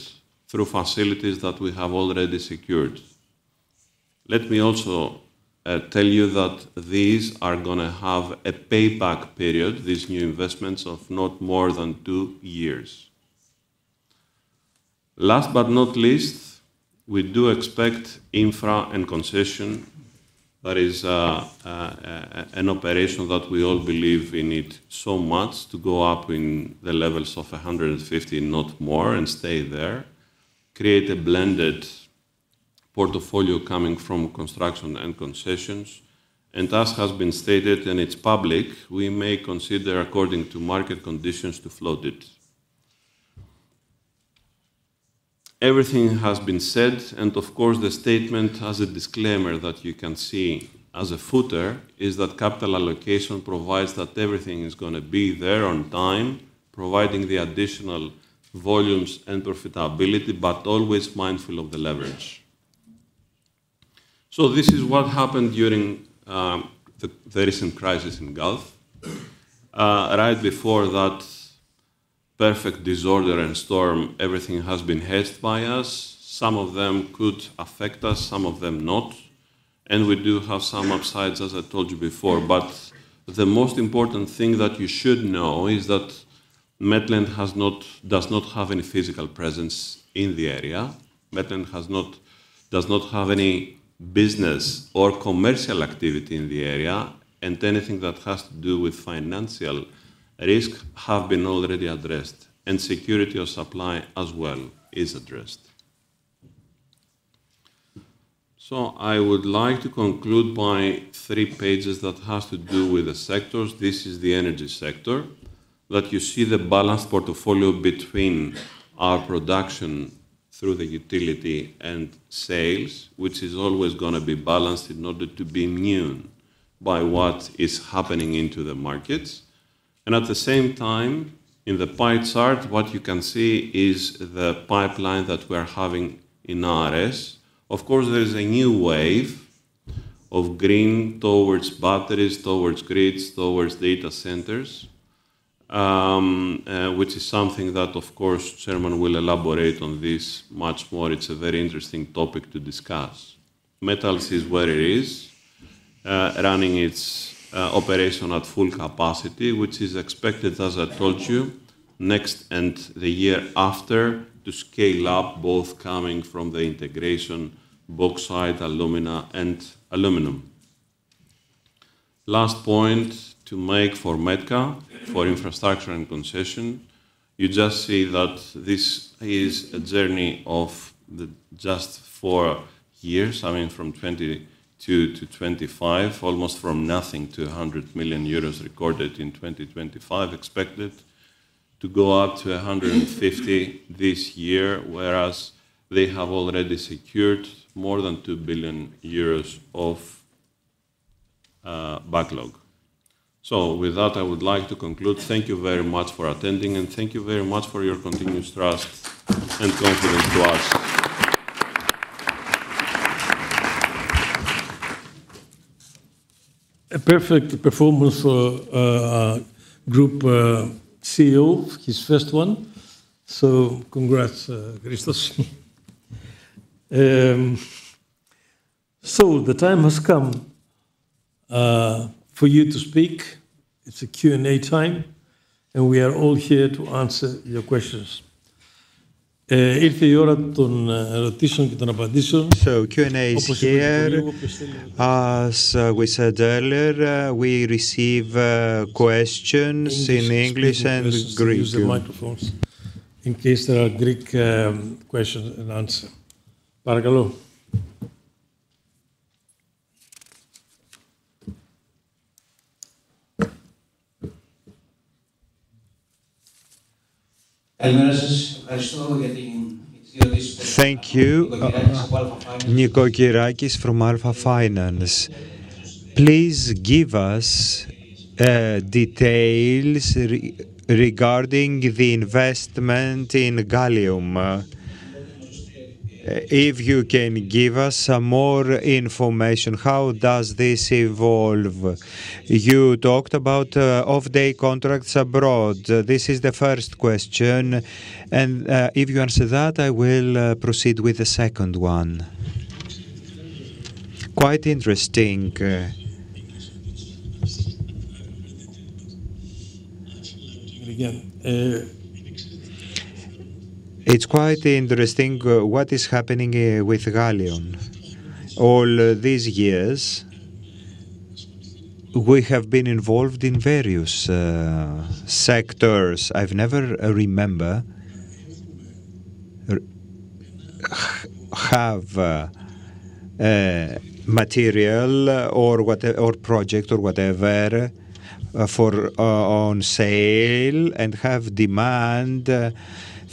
Speaker 5: through facilities that we have already secured. Let me also tell you that these are going to have a payback period, these new investments, of not more than two years. Last but not least, we do expect infra and concession. That is an operation that we all believe we need so much to go up in the levels of 150, not more, and stay there, create a blended portfolio coming from construction and concessions. As has been stated, and it's public, we may consider, according to market conditions, to float it. Everything has been said, of course, the statement has a disclaimer that you can see as a footer, is that capital allocation provides that everything is going to be there on time, providing the additional volumes and profitability, but always mindful of the leverage. This is what happened during the recent crisis in Gulf. Right before that perfect disorder and storm, everything has been hedged by us. Some of them could affect us, some of them not, and we do have some upsides, as I told you before. The most important thing that you should know is that Metlen does not have any physical presence in the area. Metlen does not have any business or commercial activity in the area, and anything that has to do with financial risk have been already addressed, and security of supply as well is addressed. I would like to conclude my three pages that has to do with the sectors. This is the energy sector, that you see the balanced portfolio between our production through the utility and sales, which is always going to be balanced in order to be immune by what is happening into the markets. At the same time, in the pie chart, what you can see is the pipeline that we are having in RES. Of course, there is a new wave of green towards batteries, towards grids, towards data centers, which is something that, of course, Chairman will elaborate on this much more. It's a very interesting topic to discuss. Metals is where it is, running its operation at full capacity, which is expected, as I told you, next and the year after to scale up, both coming from the integration, bauxite, alumina, and aluminum. Last point to make for METKA, for infrastructure and concession. You just see that this is a journey of just four years, I mean, from 2022 to 2025, almost from nothing to 100 million euros recorded in 2025, expected to go up to 150 million this year, whereas they have already secured more than 2 billion euros of backlog. With that, I would like to conclude. Thank you very much for attending, and thank you very much for your continuous trust and confidence to us.
Speaker 1: A perfect performance for Group CEO, his first one. Congrats, Christos. The time has come for you to speak. It's a Q&A time, and we are all here to answer your questions. Q&A is here. As we said earlier, we receive questions in English and Greek. Use the microphones in case there are Greek question-and-answer.
Speaker 6: Thank you. Nikos Kagkarakis from Alpha Finance. Please give us details regarding the investment in gallium. If you can give us some more information, how does this evolve? You talked about offtake contracts abroad. This is the first question, and if you answer that, I will proceed with the second one.
Speaker 1: It's quite interesting what is happening with gallium. All these years, we have been involved in various sectors. I've never remember have material or project or whatever for on sale and have demand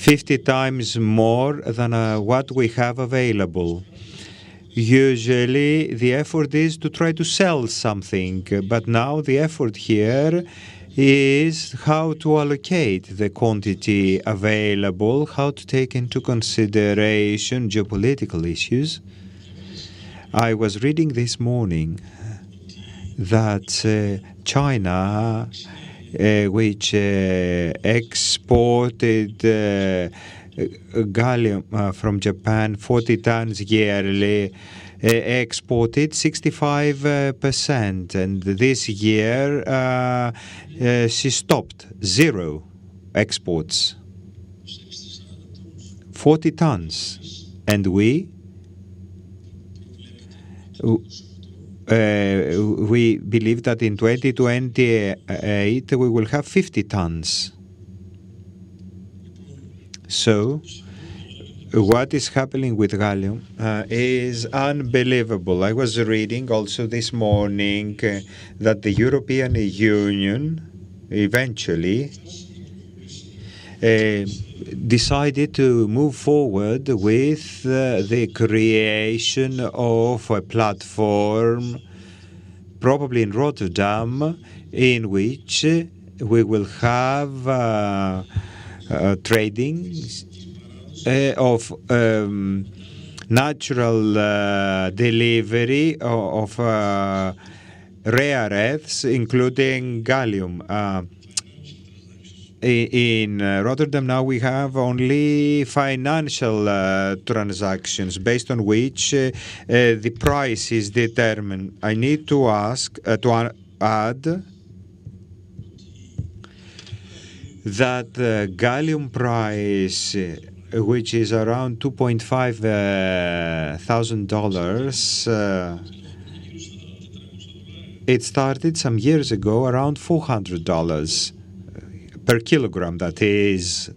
Speaker 1: 50 times more than what we have available. Usually, the effort is to try to sell something, but now the effort here is how to allocate the quantity available, how to take into consideration geopolitical issues. I was reading this morning that China, which exported gallium from Japan 40 tons yearly, exported 65%, and this year she stopped. Zero exports. 40 tons. We? We believe that in 2028, we will have 50 tons. What is happening with gallium is unbelievable. I was reading also this morning that the European Union eventually decided to move forward with the creation of a platform, probably in Rotterdam, in which we will have tradings of natural delivery of rare earths, including gallium. In Rotterdam now, we have only financial transactions based on which the price is determined. I need to add that the gallium price, which is around $2,500, it started some years ago around $400 per kilogram, that is.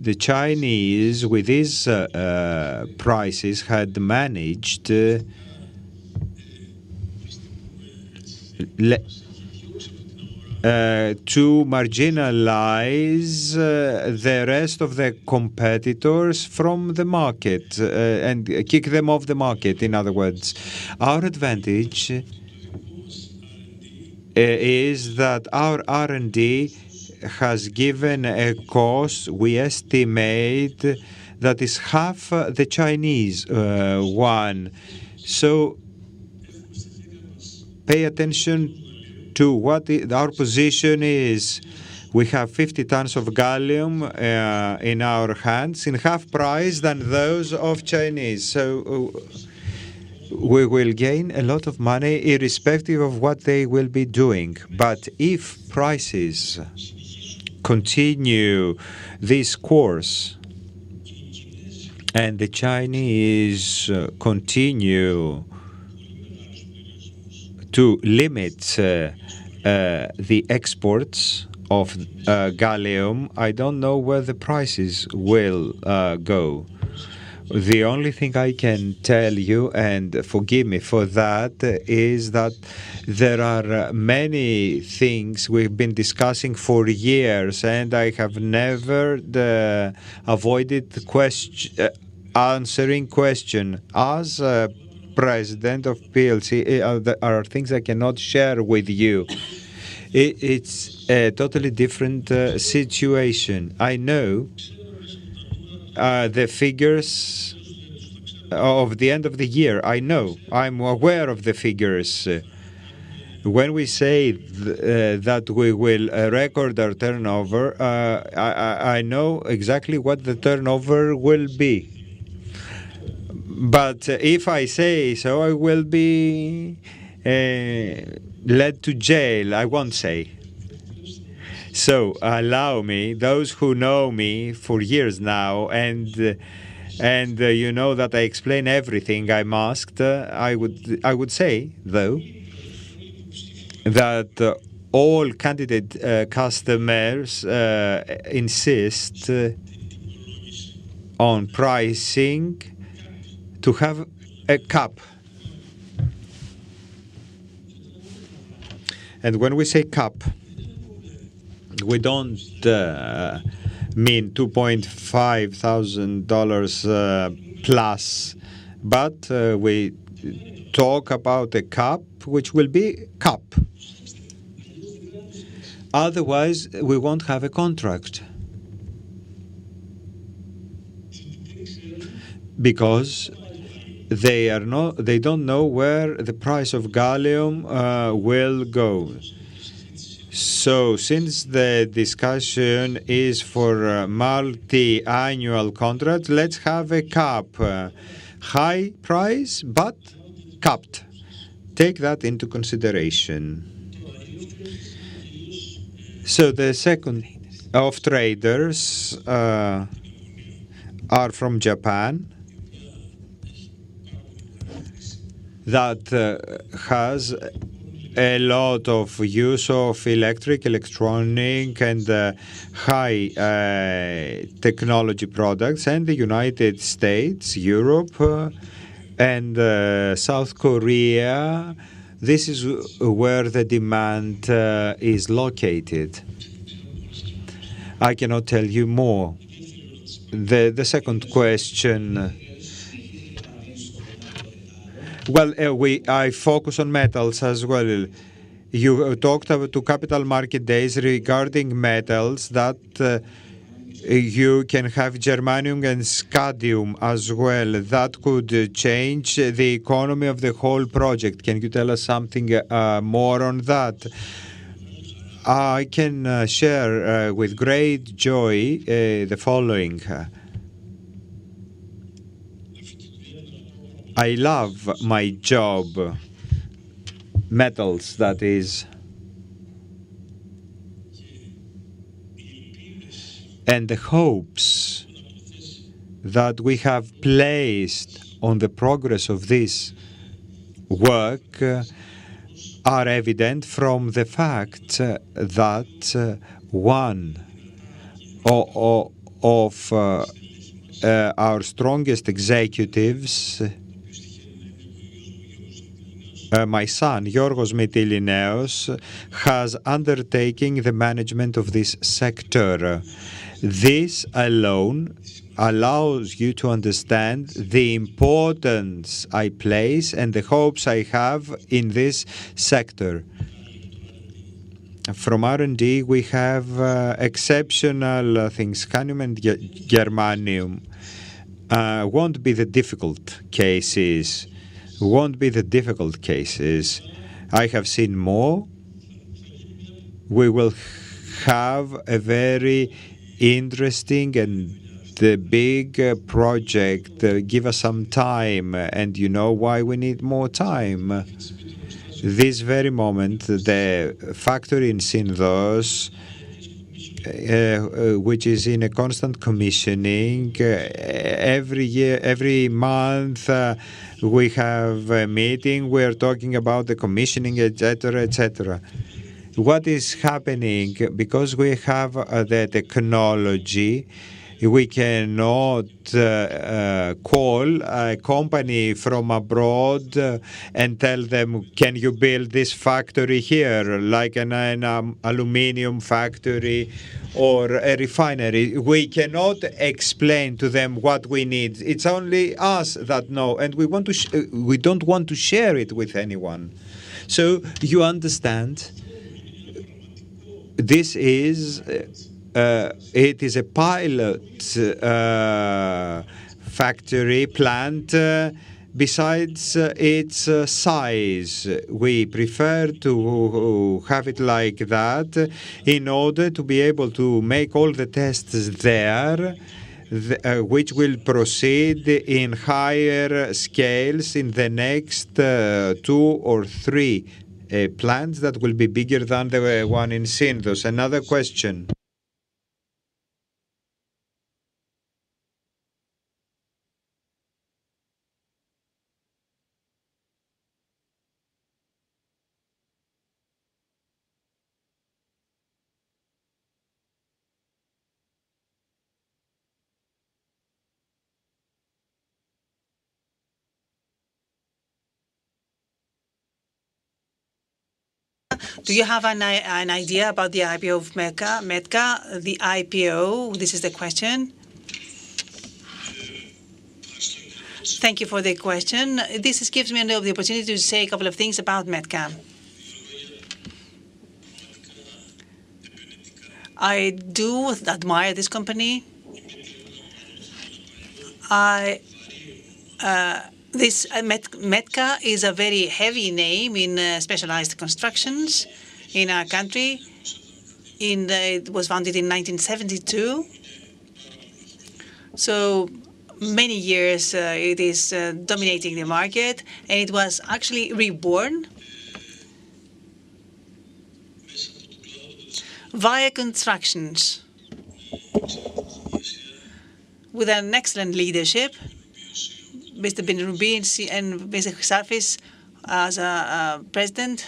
Speaker 1: The Chinese, with these prices, had managed to marginalize the rest of the competitors from the market and kick them off the market, in other words. Our advantage is that our R&D has given a cost we estimate that is half the Chinese one. Pay attention to what our position is. We have 50 tons of gallium in our hands in half price than those of Chinese. We will gain a lot of money irrespective of what they will be doing. If prices continue this course and the Chinese continue to limit the exports of gallium, I don't know where the prices will go. The only thing I can tell you, and forgive me for that, is that there are many things we've been discussing for years, and I have never avoided answering question. As president of PLC, there are things I cannot share with you. It's a totally different situation. I know the figures of the end of the year. I know. I'm aware of the figures. When we say that we will record our turnover, I know exactly what the turnover will be. If I say so, I will be led to jail. I won't say. Allow me, those who know me for years now and you know that I explain everything I'm asked, I would say, though, that all candidate customers insist on pricing to have a cap. When we say cap, we don't mean $2,500+, but we talk about a cap, which will be cap. Otherwise, we won't have a contract because they don't know where the price of gallium will go. Since the discussion is for a multi-annual contract, let's have a cap. High price, capped. Take that into consideration. The second of traders are from Japan that has a lot of use of electric, electronic, and high technology products, and the United States, Europe, and South Korea, this is where the demand is located. I cannot tell you more.
Speaker 6: The second question. Well, I focus on metals as well. You talked to Capital Markets Day regarding metals that you can have germanium and scandium as well. That could change the economy of the whole project. Can you tell us something more on that?
Speaker 1: I can share with great joy the following. I love my job, metals that is. The hopes that we have placed on the progress of this work are evident from the fact that one of our strongest executives, my son, Georgios Mytilineos, has undertaken the management of this sector. This alone allows you to understand the importance I place and the hopes I have in this sector. From R&D, we have exceptional things. Scandium and germanium won't be the difficult cases. I have seen more. We will have a very interesting and big project. Give us some time. You know why we need more time? This very moment, the factory in Syros which is in a constant commissioning, every month we have a meeting, we're talking about the commissioning, et cetera. What is happening, because we have the technology, we cannot call a company from abroad and tell them, Can you build this factory here? Like an aluminum factory or a refinery. We cannot explain to them what we need. It is only us that know, and we don't want to share it with anyone. You understand, it is a pilot factory plant besides its size. We prefer to have it like that in order to be able to make all the tests there, which will proceed in higher scales in the next two or three plants that will be bigger than the one in Syros. Another question.
Speaker 6: Do you have an idea about the IPO of METKA? METKA, the IPO. This is the question.
Speaker 1: Thank you for the question. This gives me the opportunity to say a couple of things about METKA. I do admire this company. METKA is a very heavy name in specialized constructions in our country. It was founded in 1972. So many years it is dominating the market, and it was actually reborn via constructions with an excellent leadership, Mr. Benroubi and Mr. Xafis as president.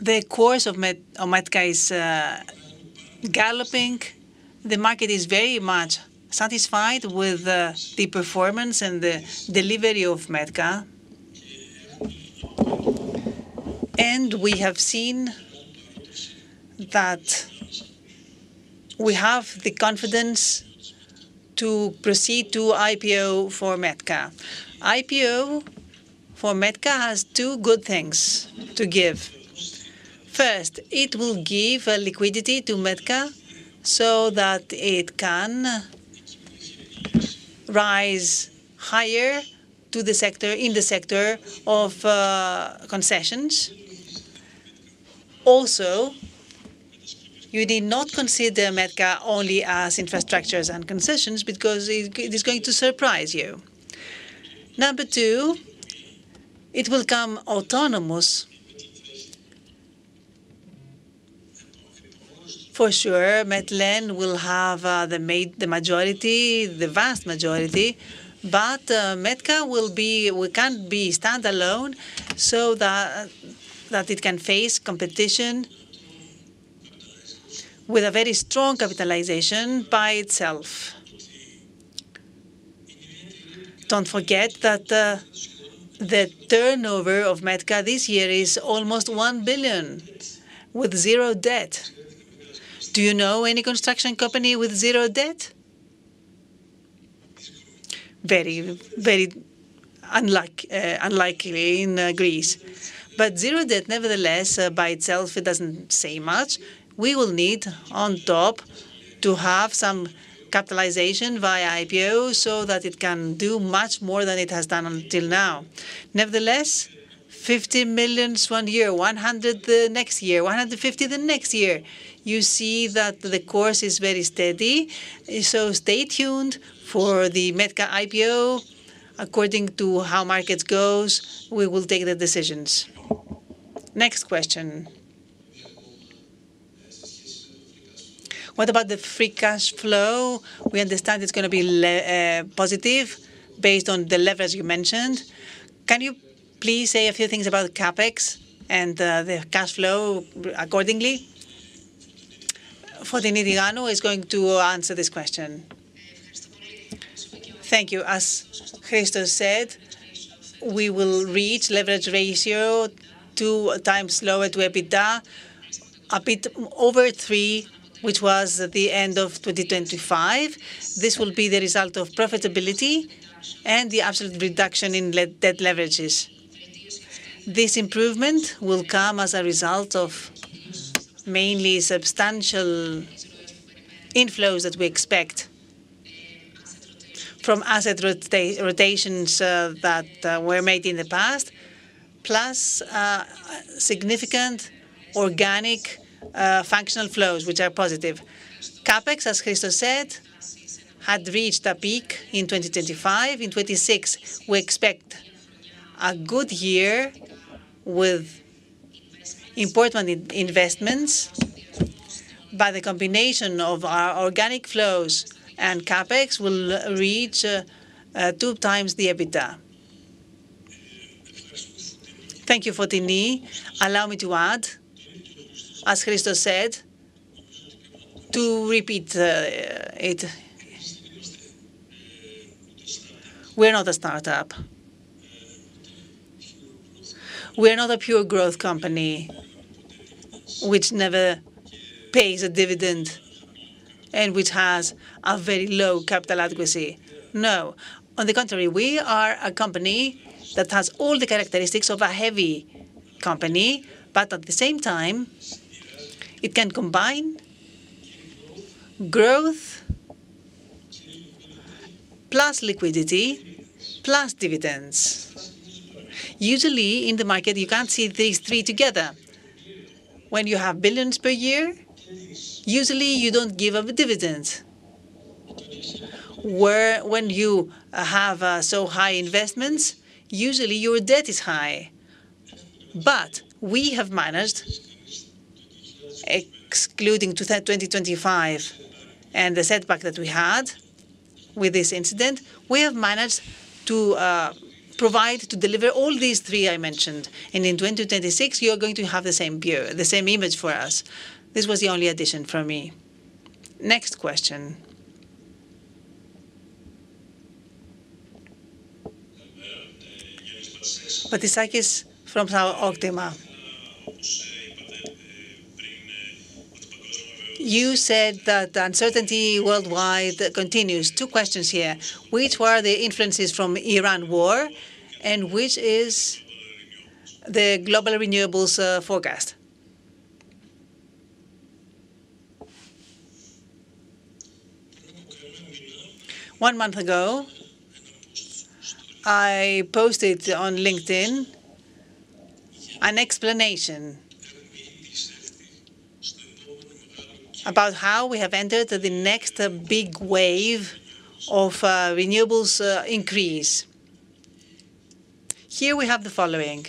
Speaker 1: The course of METKA is galloping. The market is very much satisfied with the performance and the delivery of METKA. We have seen that we have the confidence to proceed to IPO for METKA. IPO for METKA has two good things to give. First, it will give liquidity to METKA so that it can rise higher in the sector of concessions. You need not consider METKA only as infrastructures and concessions because it is going to surprise you. Number two, it will come autonomous. For sure, Metlen will have the vast majority, but METKA can be standalone so that it can face competition with a very strong capitalization by itself. Don't forget that the turnover of METKA this year is almost 1 billion with zero debt. Do you know any construction company with zero debt? Very unlikely in Greece. Zero debt, nevertheless, by itself, it doesn't say much. We will need on top to have some capitalization via IPO so that it can do much more than it has done until now. 50 million one year, 100 million the next year, 150 million the next year. You see that the course is very steady, stay tuned for the METKA IPO. According to how market goes, we will take the decisions. Next question.
Speaker 6: What about the free cash flow? We understand it's going to be positive based on the levers you mentioned. Can you please say a few things about CapEx and the cash flow accordingly?
Speaker 1: Fotini Ioannou is going to answer this question.
Speaker 7: Thank you. As Christos said, we will reach leverage ratio 2 times lower to EBITDA, a bit over 3 times, which was the end of 2025. This will be the result of profitability and the absolute reduction in debt leverages. This improvement will come as a result of mainly substantial inflows that we expect from asset rotations that were made in the past, plus significant organic functional flows, which are positive. CapEx, as Christos said, had reached a peak in 2025. In 2026, we expect a good year with important investments. By the combination of our organic flows and CapEx, we'll reach 2 times the EBITDA.
Speaker 1: Thank you, Fotini. Allow me to add. As Christos said, to repeat it, we're not a startup. We are not a pure growth company, which never pays a dividend and which has a very low capital adequacy. No. On the contrary, we are a company that has all the characteristics of a heavy company, at the same time, it can combine growth plus liquidity, plus dividends. Usually, in the market, you can't see these three together. When you have billions per year, usually you don't give up dividends. When you have so high investments, usually your debt is high. We have managed, excluding 2025 and the setback that we had with this incident, we have managed to deliver all these three I mentioned, and in 2026 you're going to have the same image for us. This was the only addition from me. Next question.
Speaker 8: Batistakis from Optima. You said that the uncertainty worldwide continues. Two questions here. Which were the influences from Iran War, which is the global renewables forecast?
Speaker 1: One month ago, I posted on LinkedIn an explanation about how we have entered the next big wave of renewables increase. Here we have the following.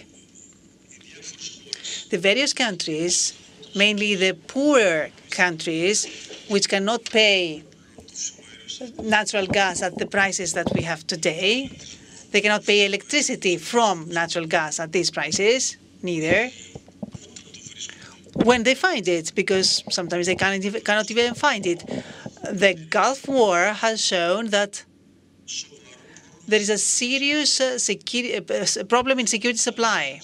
Speaker 1: The various countries, mainly the poorer countries, which cannot pay natural gas at the prices that we have today, they cannot pay electricity from natural gas at these prices neither, when they find it, because sometimes they cannot even find it. The Gulf War has shown that there is a serious problem in security supply.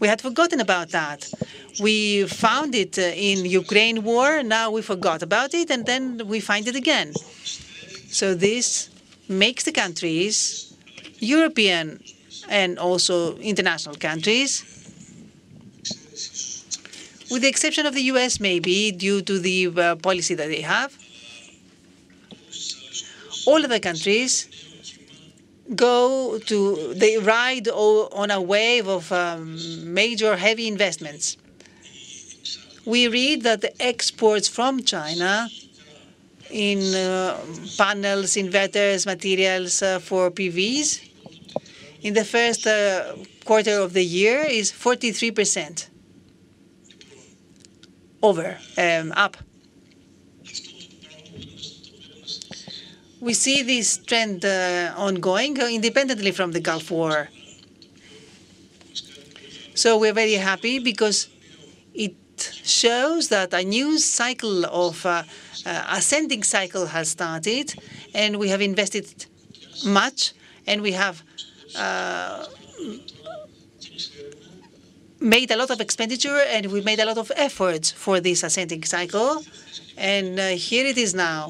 Speaker 1: We had forgotten about that. We found it in Ukraine War, now we forgot about it, then we find it again. This makes the countries, European and also international countries, with the exception of the U.S. maybe, due to the policy that they have, all of the countries, they ride on a wave of major heavy investments. We read that the exports from China in panels, inverters, materials for PVs in the first quarter of the year is 43% up. We see this trend ongoing independently from the Gulf War. We're very happy because it shows that a new ascending cycle has started, and we have invested much, and Made a lot of expenditure, and we made a lot of efforts for this ascending cycle, and here it is now.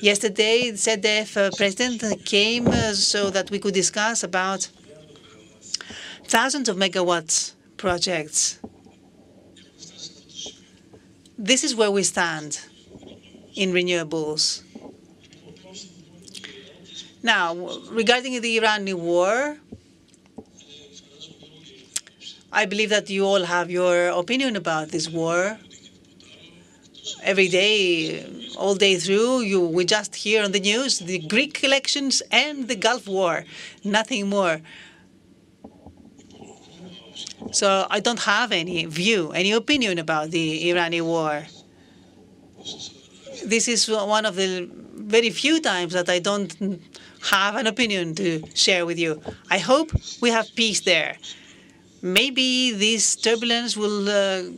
Speaker 1: Yesterday, the ZDF president came so that we could discuss about thousands of megawatts projects. This is where we stand in renewables. Regarding the Iranian war, I believe that you all have your opinion about this war. Every day, all day through, we just hear on the news, the Greek elections and the Gulf War, nothing more. I don't have any view, any opinion about the Iranian war. This is one of the very few times that I don't have an opinion to share with you. I hope we have peace there. Maybe this turbulence will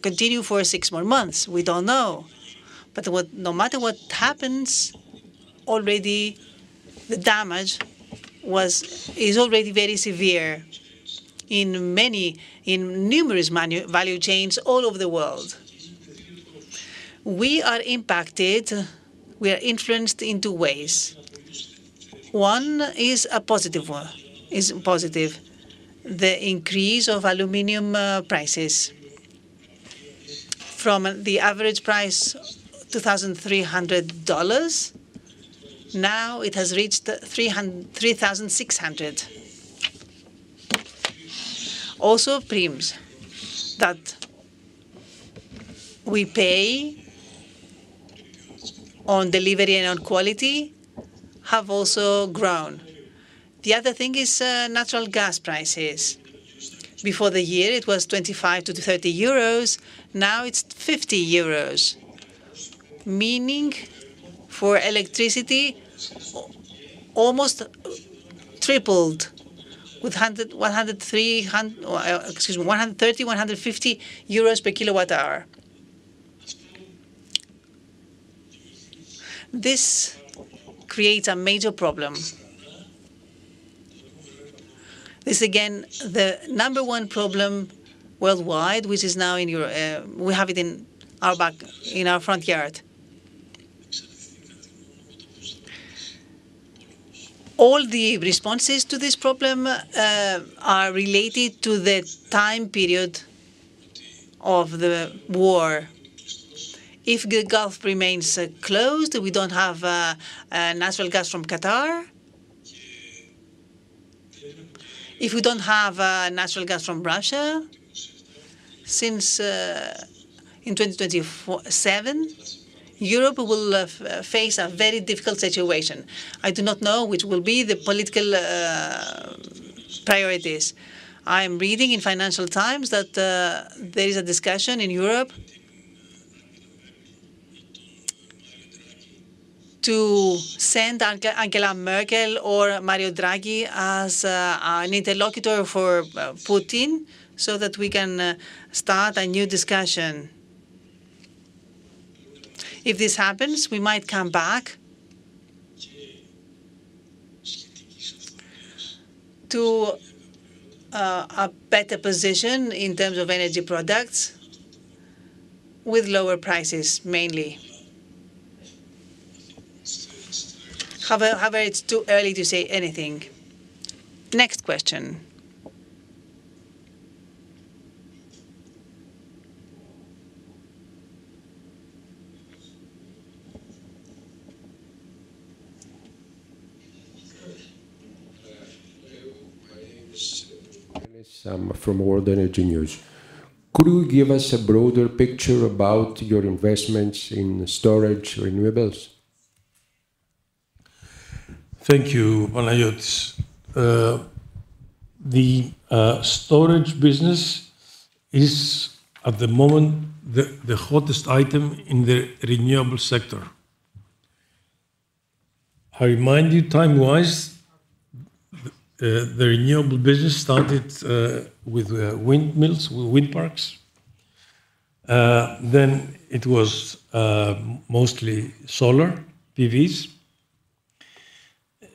Speaker 1: continue for six more months. We don't know. No matter what happens, the damage is already very severe in numerous value chains all over the world. We are impacted, we are influenced in two ways. One is a positive one. Is positive. The increase of aluminum prices. From the average price, $2,300, now it has reached $3,600. Also premiums that we pay on delivery and on quality have also grown. The other thing is natural gas prices. Before the year, it was 25 to 30 euros. Now it's 50 euros, meaning for electricity, almost tripled with 130, 150 euros per kilowatt hour. This creates a major problem. This, again, the number one problem worldwide, we have it in our front yard. All the responses to this problem are related to the time period of the war. If the Gulf remains closed, we don't have natural gas from Qatar. If we don't have natural gas from Russia, since in 2027, Europe will face a very difficult situation. I do not know which will be the political priorities. I am reading in Financial Times that there is a discussion in Europe to send Angela Merkel or Mario Draghi as an interlocutor for Putin so that we can start a new discussion. If this happens, we might come back to a better position in terms of energy products with lower prices, mainly. It's too early to say anything. Next question.
Speaker 9: Hello, my name is Panagiotis Fragkos from World Energy News. Could you give us a broader picture about your investments in storage renewables?
Speaker 1: Thank you, Panagiotis. The storage business is at the moment the hottest item in the renewable sector. I remind you time-wise, the renewable business started with windmills, with wind parks. It was mostly solar, PVs.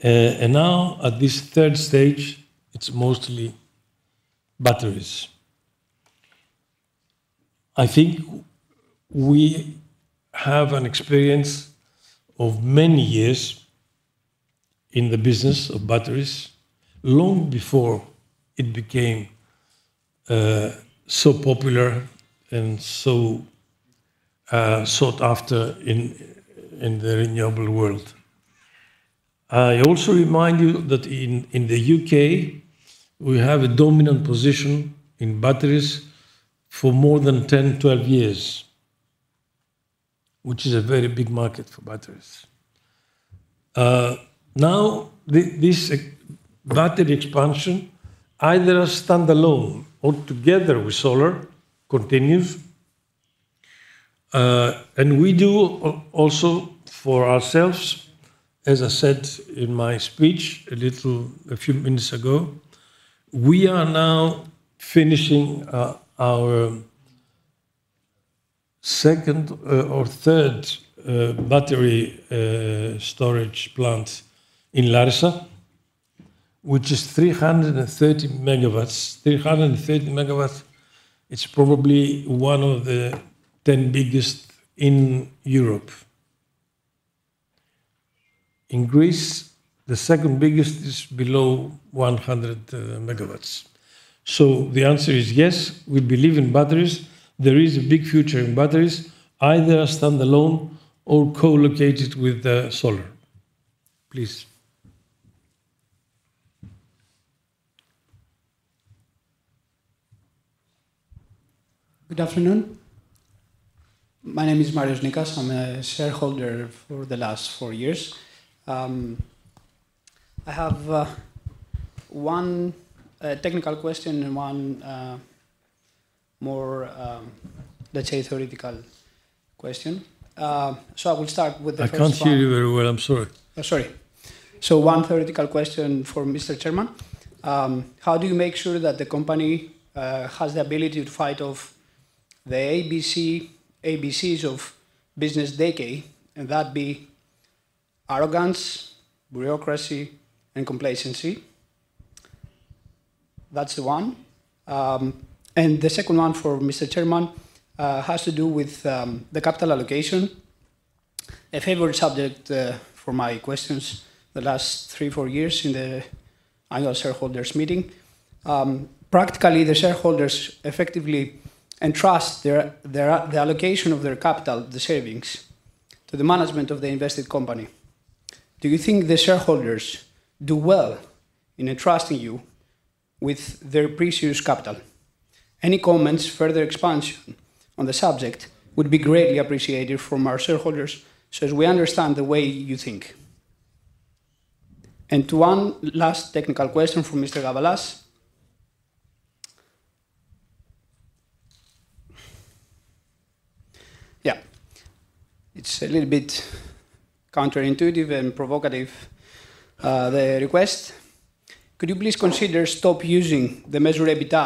Speaker 1: Now at this third stage, it's mostly batteries. I think we have an experience of many years in the business of batteries, long before it became so popular and so sought after in the renewable world. I also remind you that in the U.K., we have a dominant position in batteries for more than 10, 12 years, which is a very big market for batteries. This battery expansion, either standalone or together with solar, continues. We do also for ourselves, as I said in my speech a few minutes ago, we are now finishing our second or third battery storage plant in Larissa, which is 330 MW. 330 MW is probably one of the 10 biggest in Europe. In Greece, the second biggest is below 100 MW. The answer is yes, we believe in batteries. There is a big future in batteries, either standalone or co-located with solar. Please.
Speaker 10: Good afternoon. My name is Marius Nikas. I'm a shareholder for the last four years. I have one technical question and one more, let's say, theoretical question. I will start with the first one.
Speaker 1: I can't hear you very well. I'm sorry.
Speaker 10: Sorry. One theoretical question for Mr. Chairman. How do you make sure that the company has the ability to fight off the ABCs of business decay, and that be arrogance, bureaucracy, and complacency? That's one. The second one for Mr. Chairman has to do with the capital allocation, a favorite subject for my questions the last three years, four years in the annual shareholders meeting. Practically, the shareholders effectively entrust the allocation of their capital, the savings, to the management of the invested company. Do you think the shareholders do well in entrusting you with their precious capital? Any comments, further expansion on the subject would be greatly appreciated from our shareholders so as we understand the way you think. One last technical question for Mr. Evangelos. It's a little bit counterintuitive and provocative, the request. Could you please consider stop using the measure EBITDA?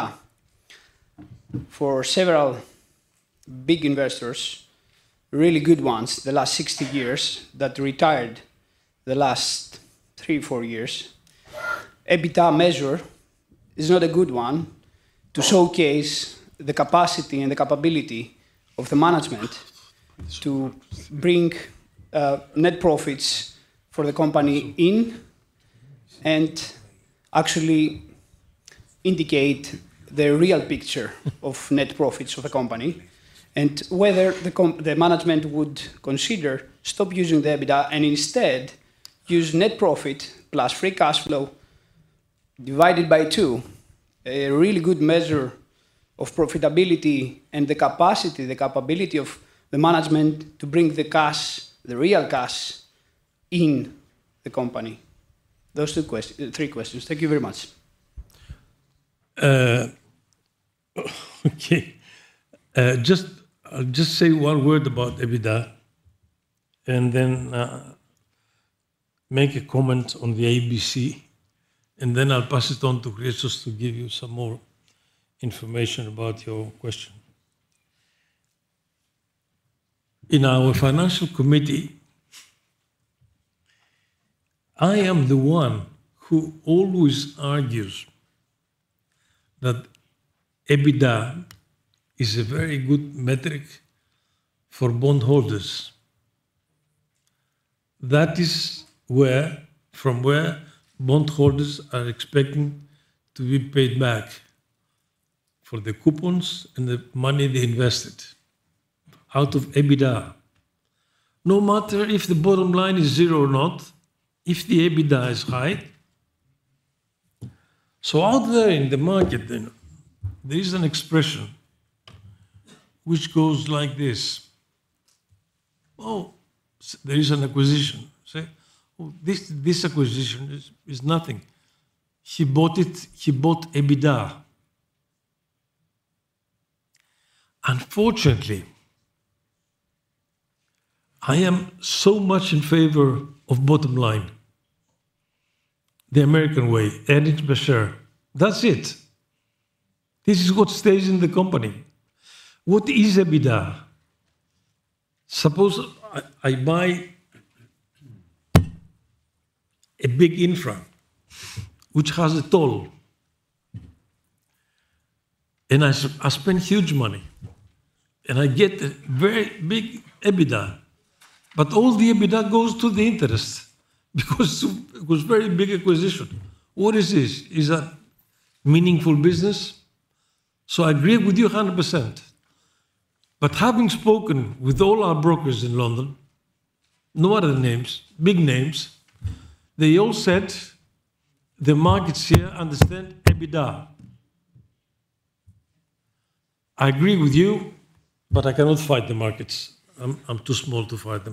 Speaker 10: For several big investors, really good ones, the last 60 years, that retired the last three years, four years, EBITDA measure is not a good one to showcase the capacity and the capability of the management to bring net profits for the company in and actually indicate the real picture of net profits of the company, and whether the management would consider stop using the EBITDA and instead use net profit plus free cash flow divided by two, a really good measure of profitability and the capacity, the capability of the management to bring the cash, the real cash in the company? Those three questions. Thank you very much.
Speaker 1: Okay. I'll just say one word about EBITDA, and then make a comment on the ABC, and then I'll pass it on to Christos to give you some more information about your question. In our financial committee, I am the one who always argues that EBITDA is a very good metric for bond holders. That is from where bond holders are expecting to be paid back for the coupons and the money they invested, out of EBITDA. No matter if the bottom line is zero or not, if the EBITDA is high. Out there in the market, then, there is an expression which goes like this. Oh, there is an acquisition. Say, Oh, this acquisition is nothing. He bought EBITDA. Unfortunately, I am so much in favor of bottom line, the American way, earnings per share. That's it. This is what stays in the company. What is EBITDA? Suppose I buy a big infra, which has a toll, and I spend huge money, and I get very big EBITDA. All the EBITDA goes to the interest because it was a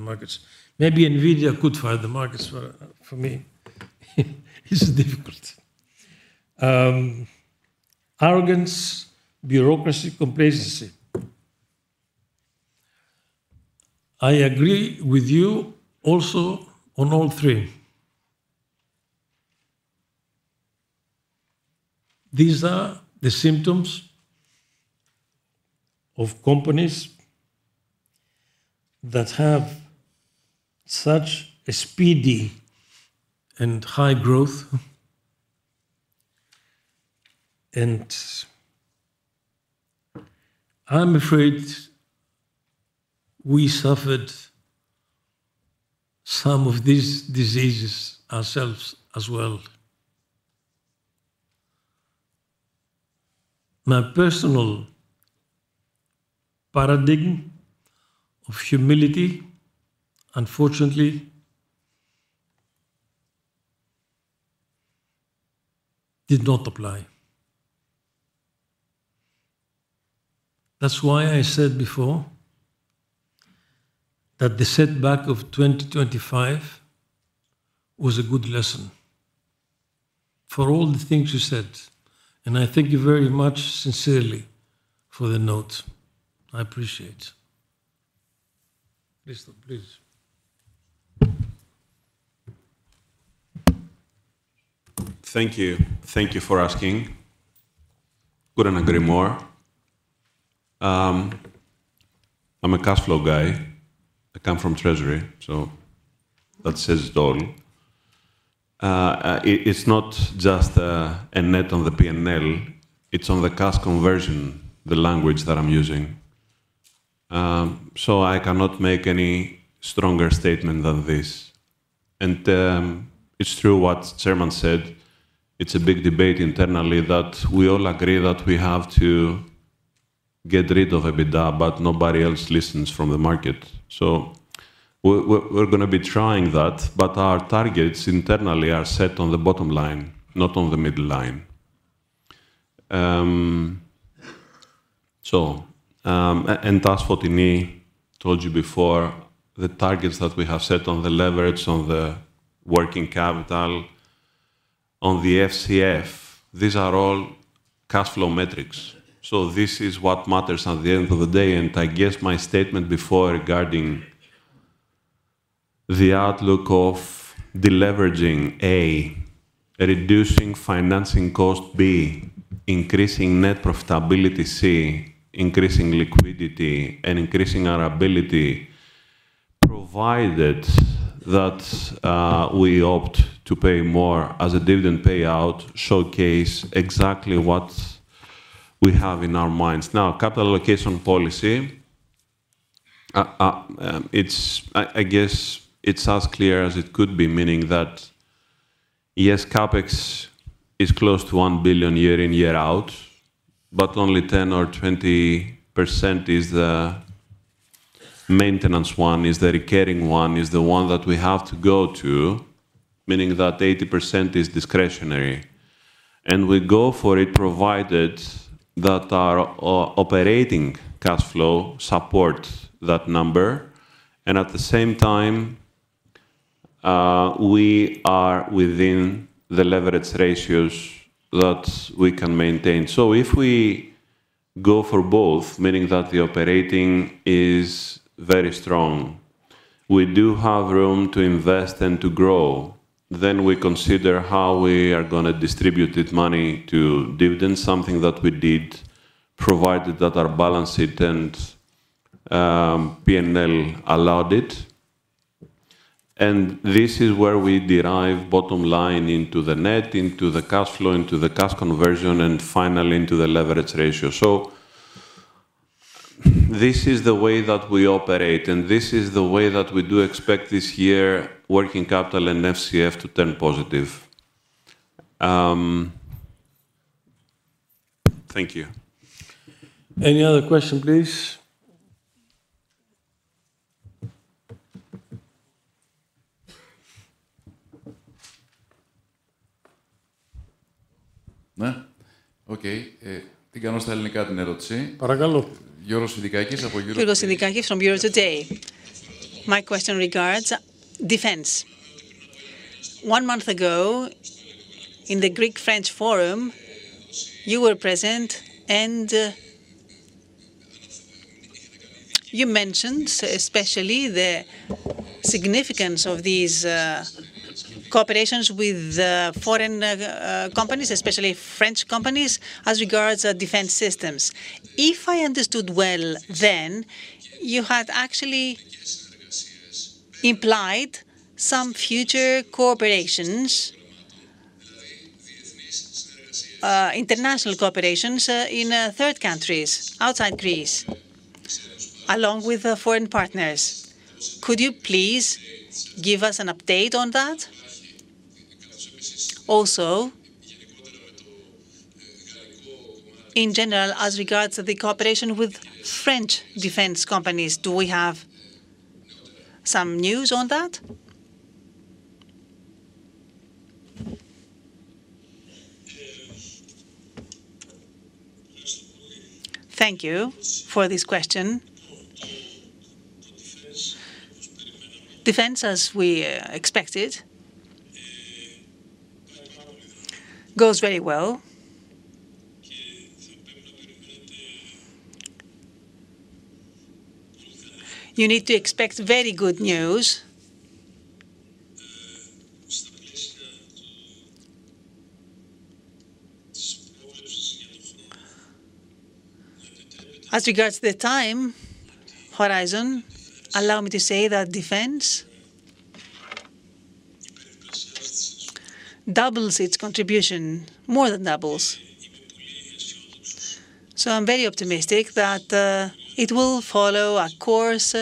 Speaker 1: very big acquisition. What is this? Is a meaningful business?
Speaker 5: That's what I told you before, the targets that we have set on the leverage, on the working capital, on the FCF, these are all cash flow metrics. This is what matters at the end of the day, and I guess my statement before regarding the outlook of deleveraging, A, reducing financing cost, B, increasing net profitability, C, increasing liquidity and increasing our ability, provided that we opt to pay more as a dividend payout, showcase exactly what we have in our minds. Capital allocation policy, I guess it's as clear as it could be, meaning that, yes, CapEx is close to 1 billion year in, year out, but only 10% or 20% is the maintenance one, is the recurring one, is the one that we have to go to, meaning that 80% is discretionary. We go for it provided that our operating cash flow supports that number, and at the same time, we are within the leverage ratios that we can maintain. If we go for both, meaning that the operating is very strong, we do have room to invest and to grow, then we consider how we are going to distribute this money to dividends, something that we did, provided that our balance sheet and P&L allowed it. This is where we derive bottom line into the net, into the cash flow, into the cash conversion, and finally into the leverage ratio. This is the way that we operate, and this is the way that we do expect this year working capital and FCF to turn positive. Thank you.
Speaker 1: Any other question, please?
Speaker 11: Okay. [Giorgos Sindakis from Eurotoday]. My question regards defense. One month ago, in the Greek-French forum, you were present and you mentioned especially the significance of these cooperations with foreign companies, especially French companies, as regards defense systems. If I understood well then, you had actually implied some future international cooperations in third countries, outside Greece, along with foreign partners. Could you please give us an update on that? In general, as regards the cooperation with French defense companies, do we have some news on that?
Speaker 1: Thank you for this question. Defense, as we expected, goes very well. You need to expect very good news. As regards the time horizon, allow me to say that defense doubles its contribution, more than doubles. I'm very optimistic that it will follow a course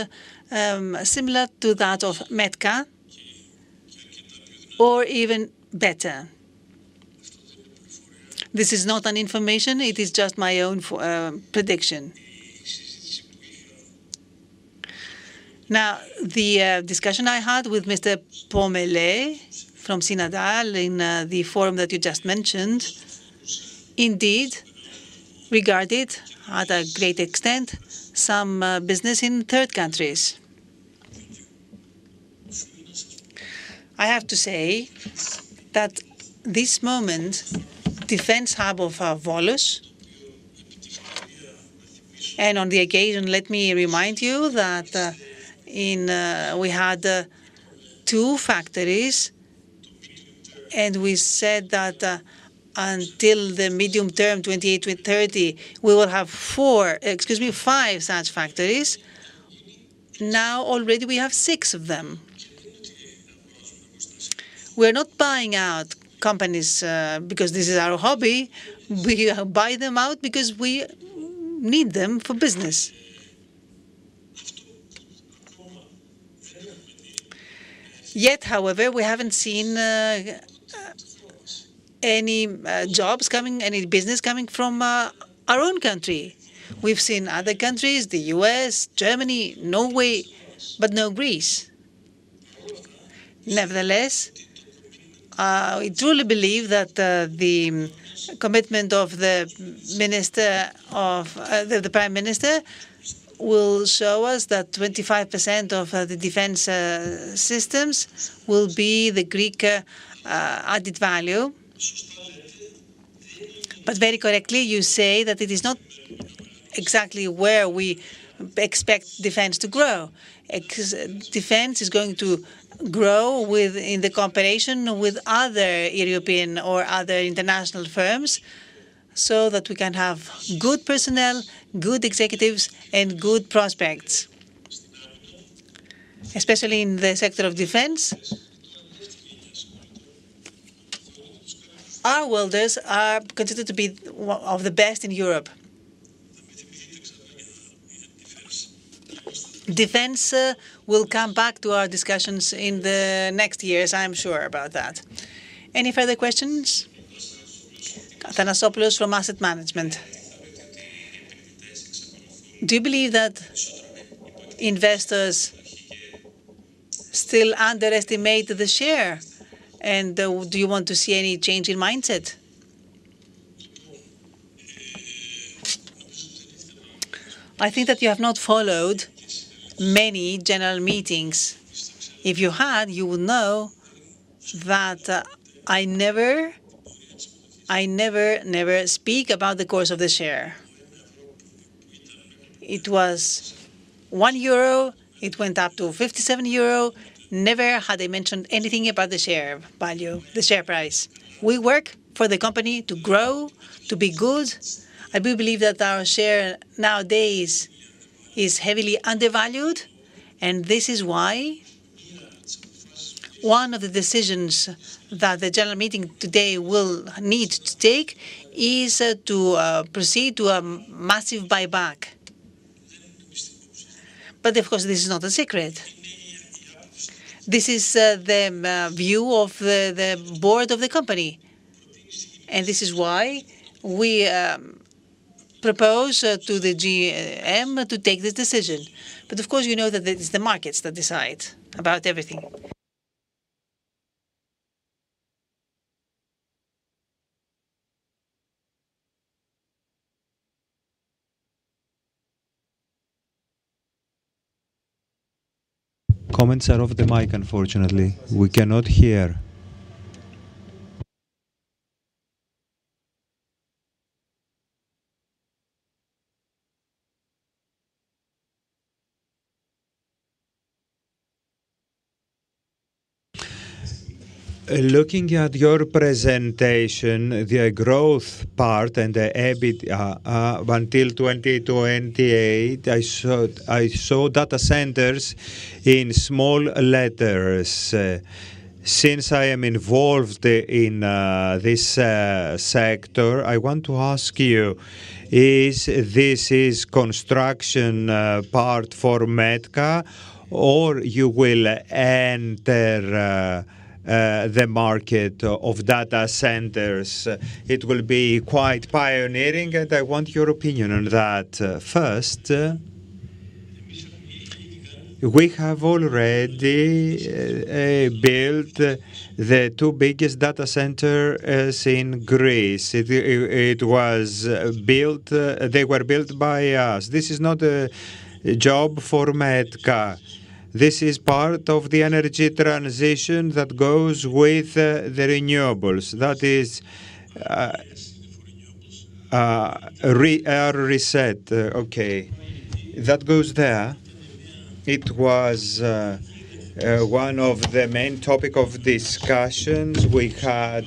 Speaker 1: similar to that of METKA, or even better. This is not an information, it is just my own prediction. The discussion I had with Mr. Pommellet from Sinodal in the forum that you just mentioned, indeed, regarded, at a great extent, some business in third countries. I have to say that this moment, defense hub of Volos, and on the occasion, let me remind you that we had two factories, and we said that until the medium term, 2028, 2030, we will have five such factories. Already we have six of them. We're not buying out companies because this is our hobby. We buy them out because we need them for business. However, we haven't seen any jobs coming, any business coming from our own country. We've seen other countries, the U.S., Germany, Norway, but no Greece. Nevertheless, I truly believe that the commitment of the Prime Minister will show us that 25% of the defense systems will be the Greek added value. Very correctly, you say that it is not exactly where we expect defense to grow. Defense is going to grow in the cooperation with other European or other international firms, so that we can have good personnel, good executives, and good prospects. Especially in the sector of defense, our welders are considered to be of the best in Europe. Defense will come back to our discussions in the next years, I'm sure about that. Any further questions?
Speaker 12: Athanasopoulos from Asset Management. Do you believe that investors still underestimate the share, and do you want to see any change in mindset?
Speaker 1: I think that you have not followed many general meetings. If you had, you would know that I never speak about the course of the share. It was 1 euro, it went up to 57 euro, never had I mentioned anything about the share value, the share price. We work for the company to grow, to be good. I do believe that our share nowadays is heavily undervalued. This is why one of the decisions that the general meeting today will need to take is to proceed to a massive buyback. Of course, this is not a secret. This is the view of the board of the company. This is why we propose to the GM to take this decision. Of course, you know that it's the markets that decide about everything. Comments are off the mic, unfortunately. We cannot hear.
Speaker 12: Looking at your presentation, the growth part and the EBIT until 2028, I saw data centers in small letters. Since I am involved in this sector, I want to ask you, is this a construction part for METKA, or you will enter the market of data centers? It will be quite pioneering, I want your opinion on that.
Speaker 1: First, we have already built the two biggest data centers in Greece. They were built by us. This is not a job for METKA. This is part of the energy transition that goes with the renewables. Error reset. Okay, that goes there. It was one of the main topic of discussions we had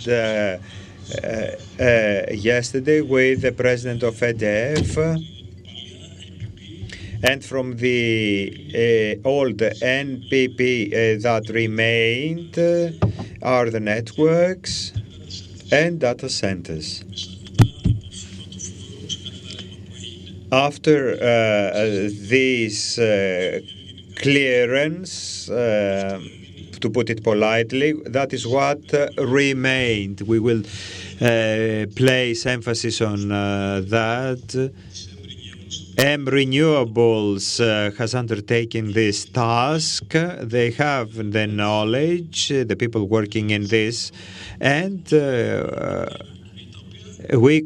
Speaker 1: yesterday with the president of EDF and from the old NPP that remained are the networks and data centers. After this clearance, to put it politely, that is what remained. We will place emphasis on that. M Renewables has undertaken this task. They have the knowledge, the people working in this, and we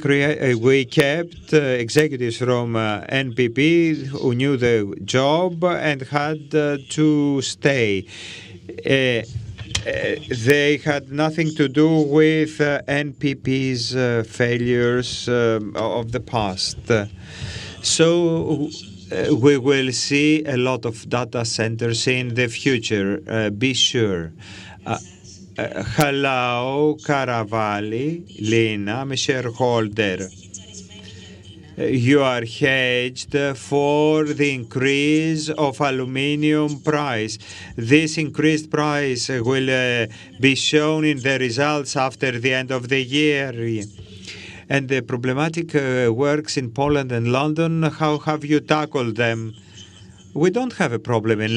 Speaker 1: kept executives from NPP who knew the job and had to stay. They had nothing to do with NPP's failures of the past. We will see a lot of data centers in the future, be sure.
Speaker 13: Hello, Caravalli, Lena, shareholder. You are hedged for the increase of aluminum price. This increased price will be shown in the results after the end of the year. The problematic works in Poland and London, how have you tackled them?
Speaker 1: We don't have a problem in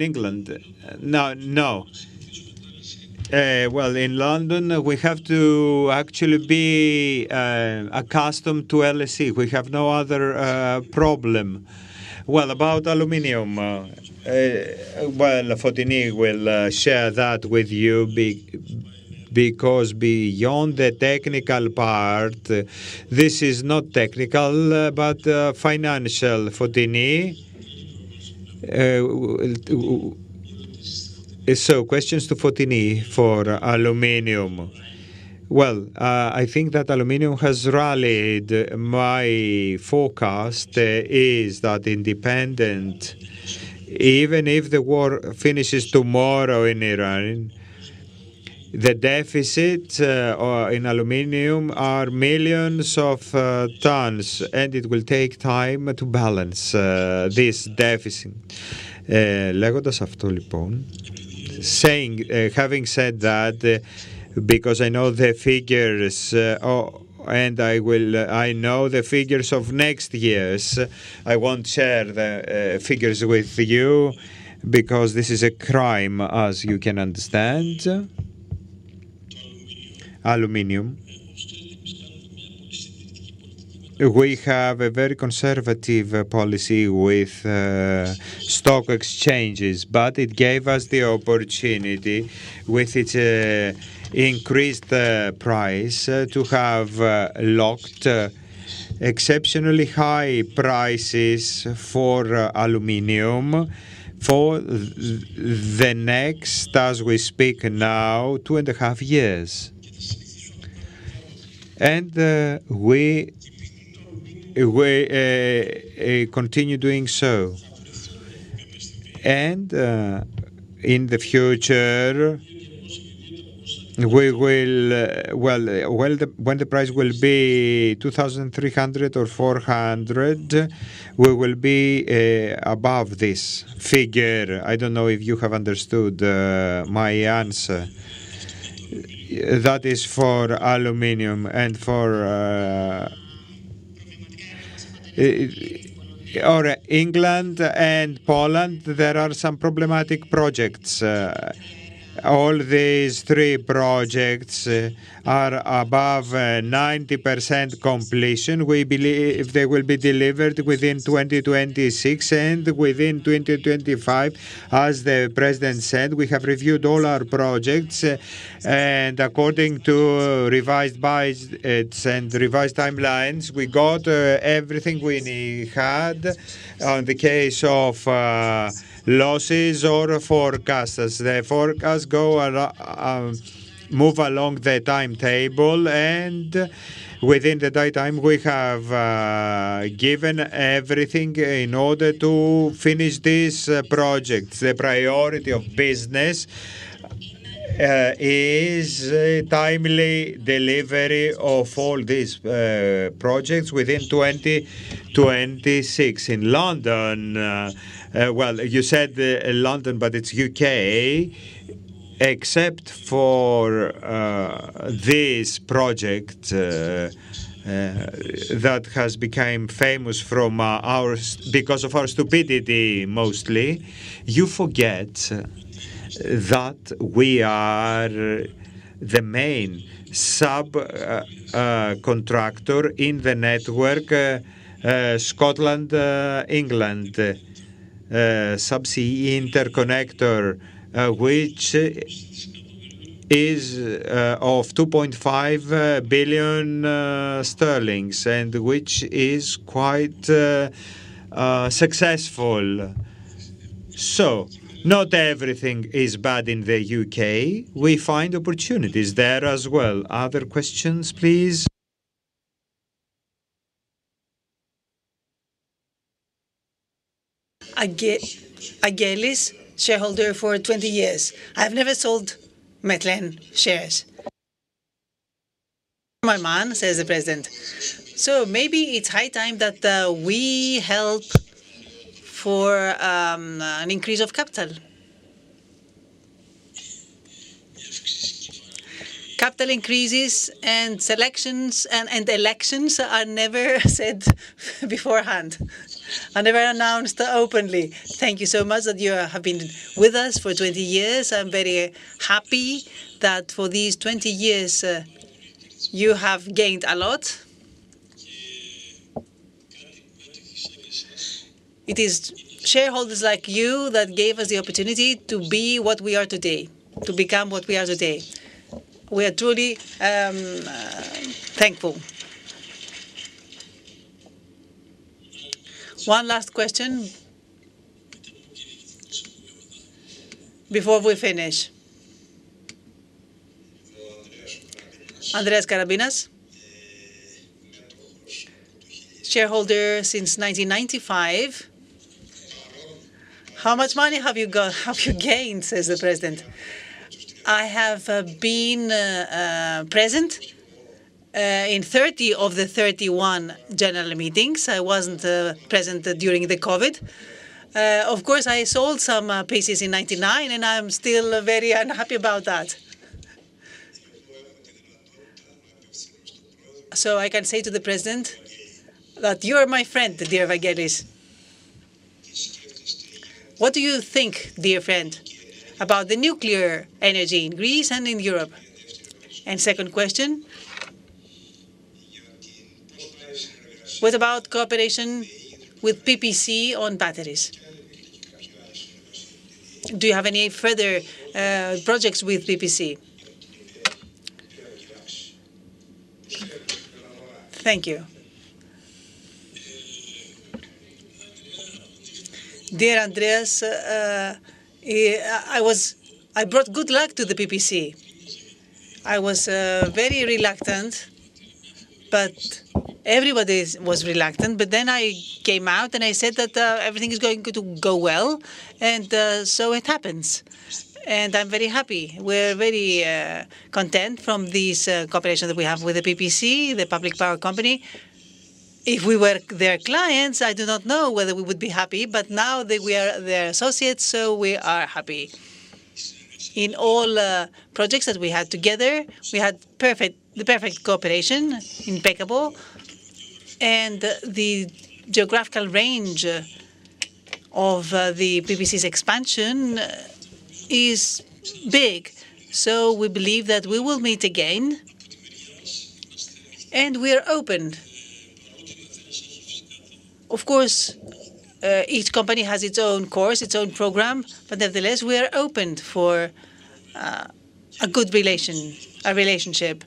Speaker 1: England. No. Well, in London, we have to actually be accustomed to LSE. We have no other problem.
Speaker 13: What about aluminum?
Speaker 1: Well, Fotini will share that with you because beyond the technical part, this is not technical, but financial. Fotini? Questions to Fotini for aluminum.
Speaker 7: Well, I think that aluminum has rallied. My forecast is that independent, even if the war finishes tomorrow in Iran, the deficit in aluminum are millions of tons, and it will take time to balance this deficit. Having said that, because I know the figures of next year's, I won't share the figures with you because this is a crime, as you can understand. Aluminum. We have a very conservative policy with stock exchanges. It gave us the opportunity with its increased price to have locked exceptionally high prices for aluminum for the next, as we speak now, two and a half years. We continue doing so. In the future, when the price will be 2,300 or 400, we will be above this figure. I don't know if you have understood my answer. That is for aluminum and for England and Poland, there are some problematic projects. All these three projects are above 90% completion. We believe they will be delivered within 2026 and within 2025. As the President said, we have reviewed all our projects. According to revised budgets and revised timelines, we got everything we had in the case of losses or forecasts. As the forecasts move along the timetable and within the time, we have given everything in order to finish these projects. The priority of business is timely delivery of all these projects within 2026. In London, well, you said London, but it's U.K., except for this project that has become famous because of our stupidity, mostly, you forget that we are the main subcontractor in the network, Scotland, England, subsea interconnector, which is of 2.5 billion sterling and which is quite successful.
Speaker 1: Not everything is bad in the U.K. We find opportunities there as well. Other questions, please?
Speaker 14: Agelis, shareholder for 20 years. I've never sold Metlen shares. My man, says the president. Maybe it's high time that we held for an increase of capital.
Speaker 1: Capital increases and elections are never said beforehand, are never announced openly. Thank you so much that you have been with us for 20 years. I'm very happy that for these 20 years, you have gained a lot. It is shareholders like you that gave us the opportunity to become what we are today. We are truly thankful. One last question before we finish.
Speaker 15: Andreas Karambinas. Shareholder since 1995. How much money have you gained? says the president. I have been present in 30 of the 31 general meetings. I wasn't present during the COVID. Of course, I sold some pieces in 1999, I'm still very unhappy about that. I can say to the president that you are my friend, dear Vagelis. What do you think, dear friend, about the nuclear energy in Greece and in Europe? Second question, what about cooperation with PPC on batteries? Do you have any further projects with PPC? Thank you.
Speaker 1: Dear Andreas, I brought good luck to the PPC. I was very reluctant, everybody was reluctant. I came out and I said that everything is going to go well, it happens. I'm very happy. We're very content from this cooperation that we have with the PPC, the Public Power Company. If we were their clients, I do not know whether we would be happy, but now that we are their associates, so we are happy. In all projects that we had together, we had the perfect cooperation, impeccable, and the geographical range of the PPC's expansion is big. We believe that we will meet again, and we are open. Of course, each company has its own course, its own program, but nevertheless, we are opened for a good relationship.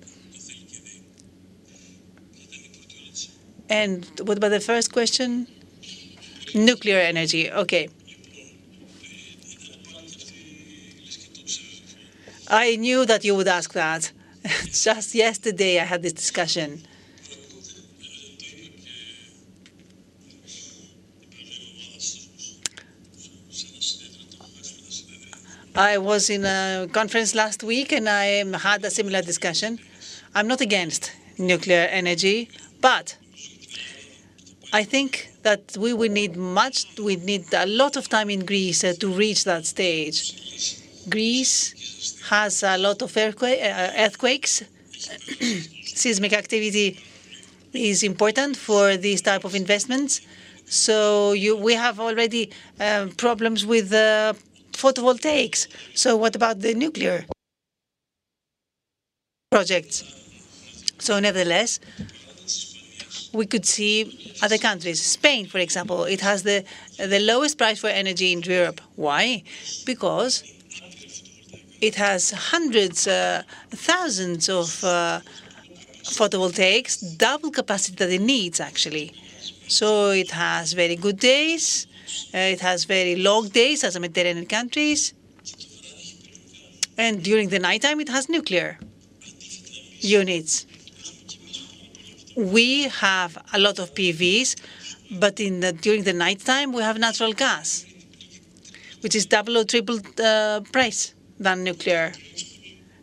Speaker 15: What about the first question? Nuclear energy.
Speaker 1: Okay. I knew that you would ask that. Just yesterday I had this discussion. I was in a conference last week and I had a similar discussion. I'm not against nuclear energy, but I think that we would need a lot of time in Greece to reach that stage. Greece has a lot of earthquakes. Seismic activity is important for these type of investments. We have already problems with photovoltaics, so what about the nuclear projects? Nevertheless, we could see other countries. Spain, for example, it has the lowest price for energy in Europe. Why? Because it has hundreds, thousands of photovoltaics, double capacity that it needs, actually. So it has very good days, it has very long days as a Mediterranean countries, and during the nighttime it has nuclear units. We have a lot of PVs, but during the nighttime, we have natural gas, which is double or triple the price than nuclear.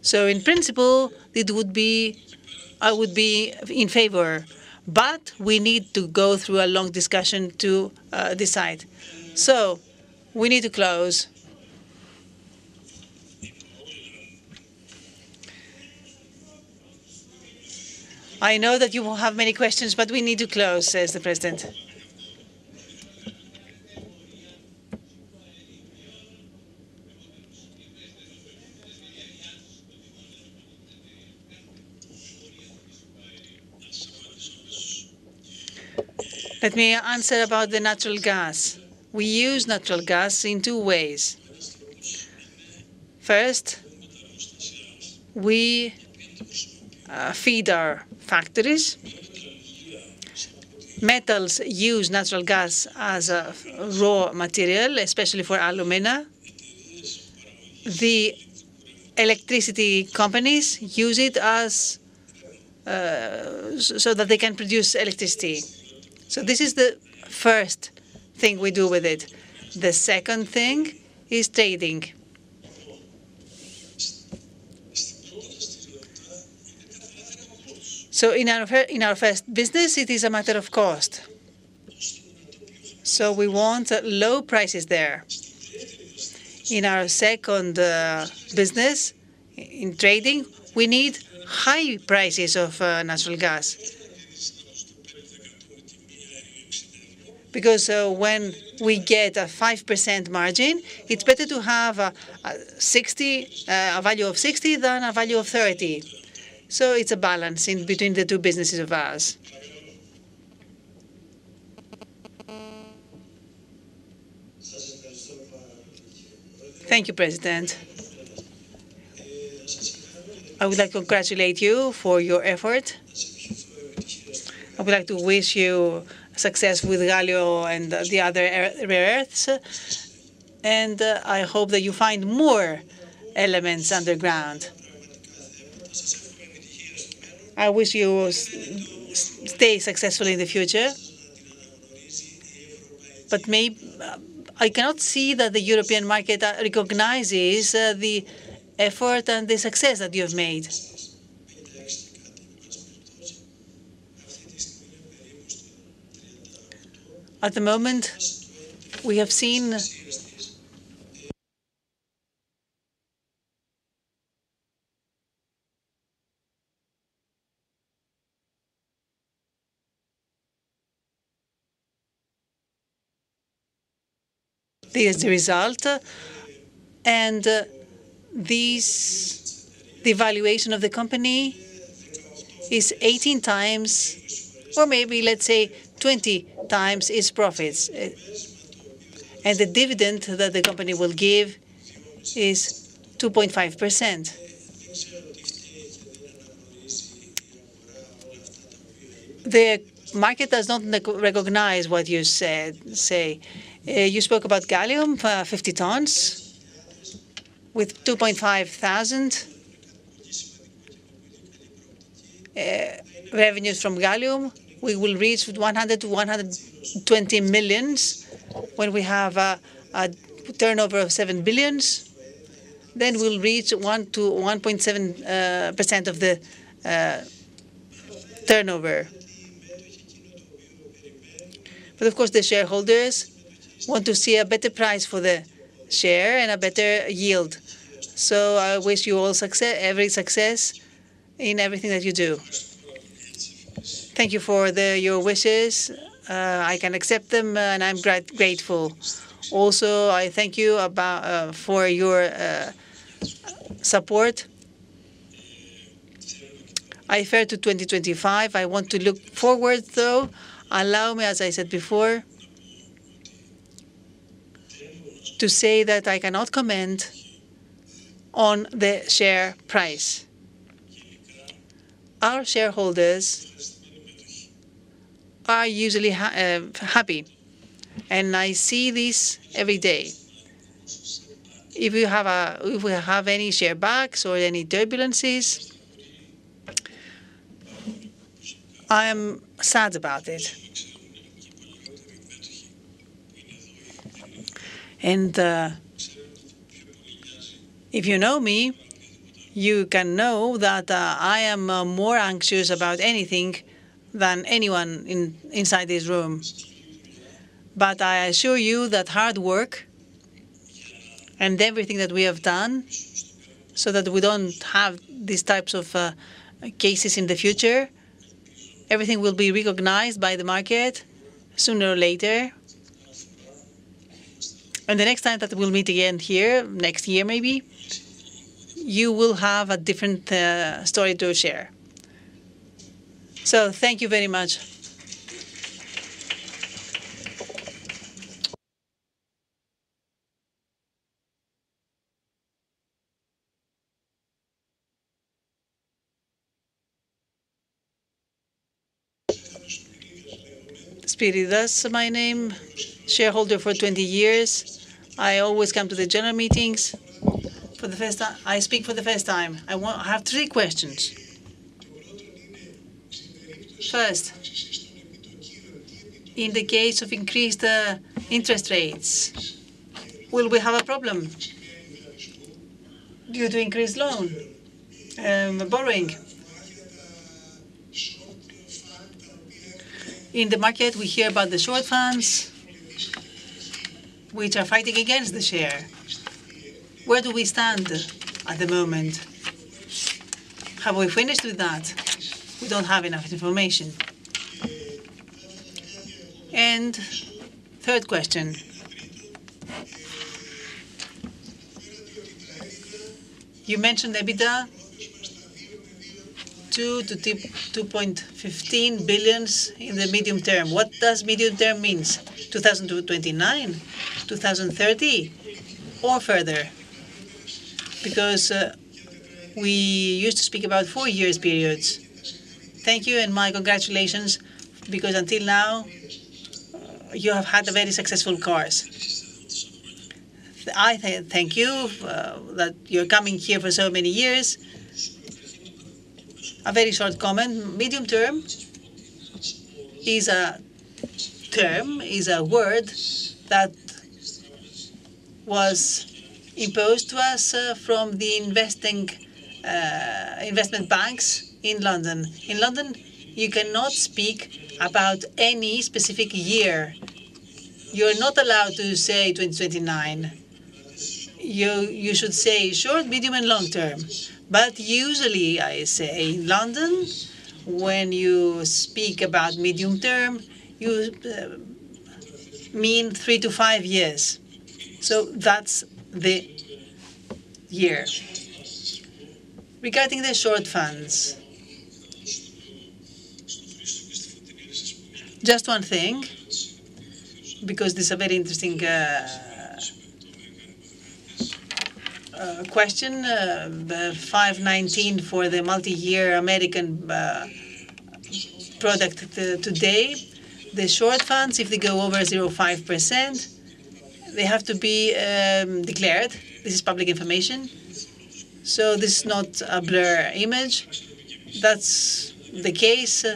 Speaker 1: So in principle, I would be in favor, but we need to go through a long discussion to decide. We need to close. I know that you will have many questions, but we need to close, says the president. Let me answer about the natural gas. We use natural gas in two ways. First, we feed our factories. Metals use natural gas as a raw material, especially for alumina. The electricity companies use it so that they can produce electricity. This is the first thing we do with it. The second thing is trading. In our first business, it is a matter of cost, so we want low prices there. In our second business, in trading, we need high prices of natural gas. Because when we get a 5% margin, it is better to have a value of 60 than a value of 30. It is a balance between the two businesses of ours.
Speaker 15: Thank you, President. I would like to congratulate you for your effort. I would like to wish you success with gallium and the other rare earths, and I hope that you find more elements underground. I wish you stay successful in the future. I cannot see that the European market recognizes the effort and the success that you have made. At the moment, we have seen this result, and the valuation of the company is 18 times or maybe, let's say, 20 times its profits. The dividend that the company will give is 2.5%. The market does not recognize what you say. You spoke about gallium for 50 tons with 2,500 revenues from gallium. We will reach 100 million to 120 million when we have a turnover of 7 billion, then we'll reach 1% to 1.7% of the turnover. Of course, the shareholders want to see a better price for the share and a better yield. I wish you every success in everything that you do.
Speaker 1: Thank you for your wishes. I can accept them and I'm grateful. I thank you for your support. I refer to 2025. I want to look forward, though. Allow me, as I said before, to say that I cannot comment on the share price. Our shareholders are usually happy and I see this every day. If we have any share backs or any turbulences, I am sad about it. If you know me, you can know that I am more anxious about anything than anyone inside this room. I assure you that hard work and everything that we have done so that we don't have these types of cases in the future, everything will be recognized by the market sooner or later. The next time that we'll meet again here, next year maybe, you will have a different story to share. Thank you very much.
Speaker 14: Spiridas is my name. Shareholder for 20 years. I always come to the general meetings. I speak for the first time. I have three questions. First, in the case of increased interest rates, will we have a problem due to increased loan and borrowing? In the market, we hear about the short funds, which are fighting against the share. Where do we stand at the moment? Have we finished with that? We don't have enough information. Third question. You mentioned EBITDA 2 billion to 2.15 billion in the medium term. What does medium term mean? 2029? 2030? Further? We used to speak about four years periods. Thank you and my congratulations because until now you have had a very successful course.
Speaker 1: I thank you that you're coming here for so many years. A very short comment. Medium-term is a word that was imposed to us from the investment banks in London. In London, you cannot speak about any specific year. You're not allowed to say 2029. You should say short, medium, and long term. Usually I say, in London, when you speak about medium term, you mean three years to five years. That's the year. Regarding the short funds, just one thing, because this a very interesting question. The 5.19 for the multi-year American product today, the short funds, if they go over 0.5%, they have to be declared. This is public information. This is not a blur image. That's the case.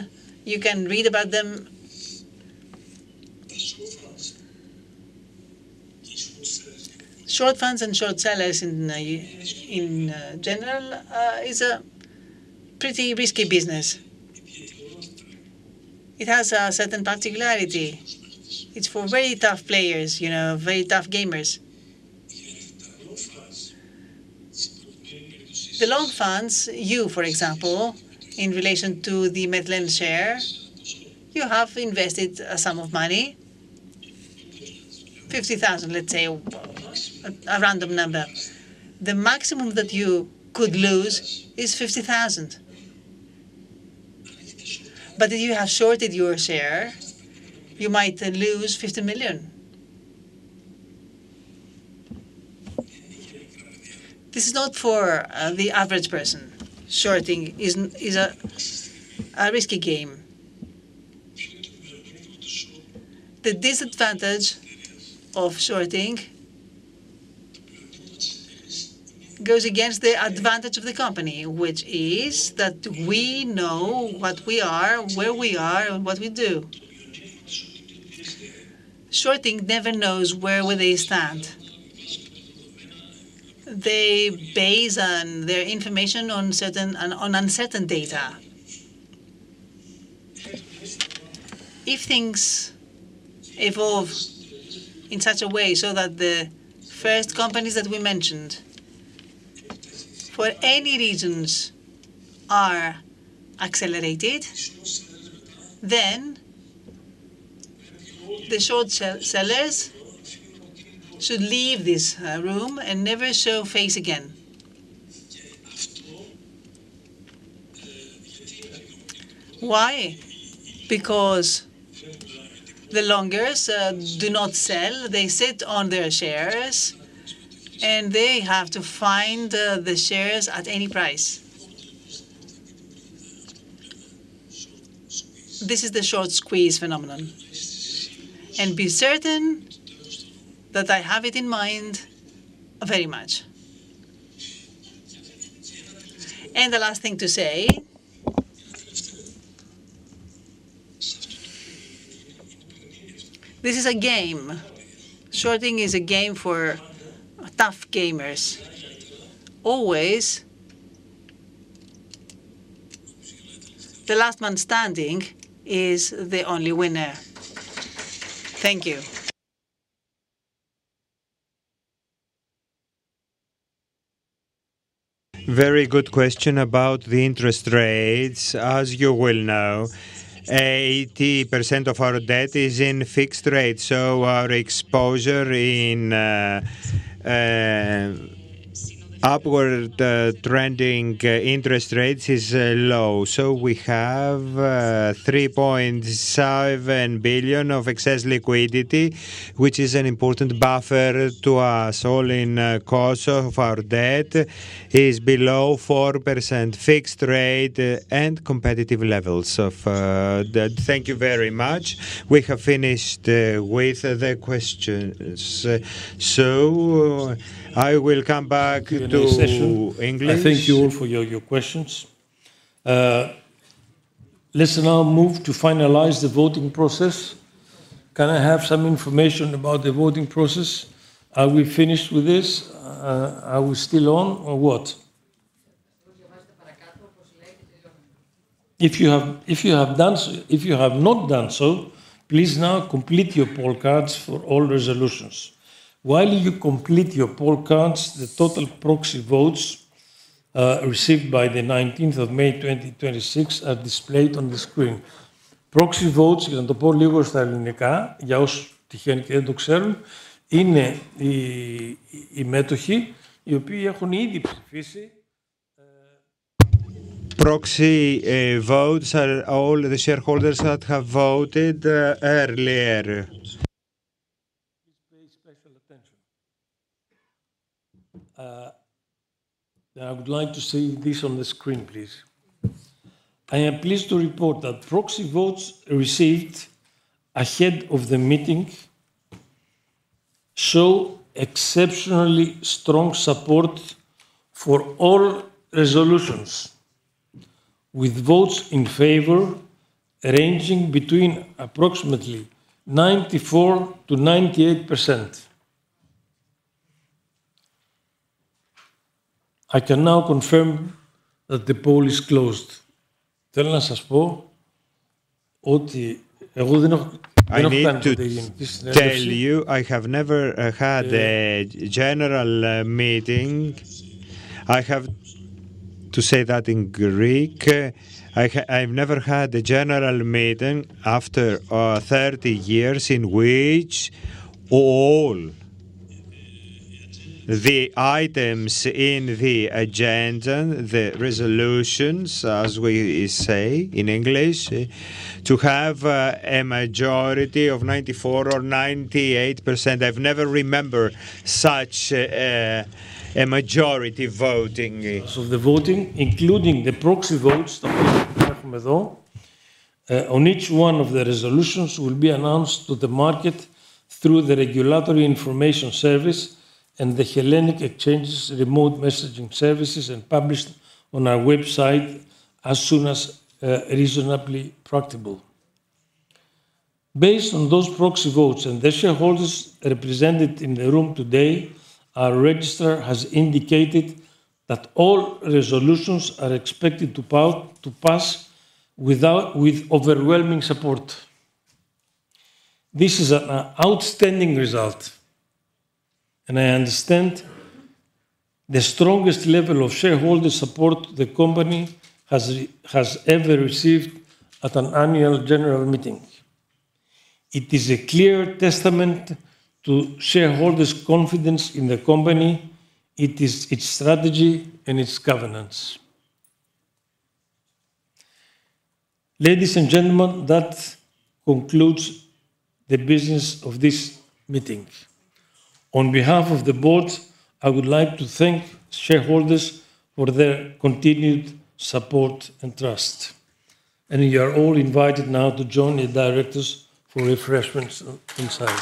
Speaker 1: You can read about them. Short funds and short sellers in general is a pretty risky business. It has a certain particularity. It's for very tough players, very tough gamers. The long funds, you, for example, in relation to the Metlen share, you have invested a sum of money, 50,000, let's say, a random number. The maximum that you could lose is 50,000. If you have shorted your share, you might lose 50 million. This is not for the average person. Shorting is a risky game. The disadvantage of shorting goes against the advantage of the company, which is that we know what we are, where we are, and what we do. Shorting never knows where will they stand. They base their information on uncertain data. If things evolve in such a way so that the first companies that we mentioned for any reasons are accelerated, then the short sellers should leave this room and never show face again. Why? Because the longers do not sell. They sit on their shares, and they have to find the shares at any price. This is the short squeeze phenomenon, and be certain that I have it in mind very much. The last thing to say, this is a game. Shorting is a game for tough gamers. Always, the last man standing is the only winner. Thank you.
Speaker 7: Very good question about the interest rates. As you well know, 80% of our debt is in fixed rate, so our exposure in upward trending interest rates is low. We have 3.7 billion of excess liquidity, which is an important buffer to us all in cost of our debt is below 4% fixed rate and competitive levels of debt.
Speaker 1: Thank you very much. We have finished with the questions. I will come back to English. I thank you all for your questions. Let's now move to finalize the voting process. Can I have some information about the voting process? Are we finished with this? Are we still on or what? If you have not done so, please now complete your poll cards for all resolutions. While you complete your poll cards, the total proxy votes received by the 19th of May 2026 are displayed on the screen. Proxy votes are all the shareholders that have voted earlier. Please pay special attention. I would like to see this on the screen, please. I am pleased to report that proxy votes received ahead of the meeting show exceptionally strong support for all resolutions, with votes in favor ranging between approximately 94%-98%. I can now confirm that the poll is closed. I need to tell you, I have never had a general meeting. I have to say that in Greek. I've never had a general meeting after 30 years in which all the items in the agenda, the resolutions, as we say in English, to have a majority of 94% or 98%. I've never remember such a majority voting. Results of the voting, including the proxy votes on each one of the resolutions, will be announced to the market through the Regulatory Information Service and the Hellenic Exchanges' remote messaging services and published on our website as soon as reasonably practicable. Based on those proxy votes and the shareholders represented in the room today, our registrar has indicated that all resolutions are expected to pass with overwhelming support. This is an outstanding result, and I understand the strongest level of shareholder support the company has ever received at an annual general meeting. It is a clear testament to shareholders' confidence in the company, its strategy, and its governance. Ladies and gentlemen, that concludes the business of this meeting. On behalf of the board, I would like to thank shareholders for their continued support and trust. You are all invited now to join the directors for refreshments inside.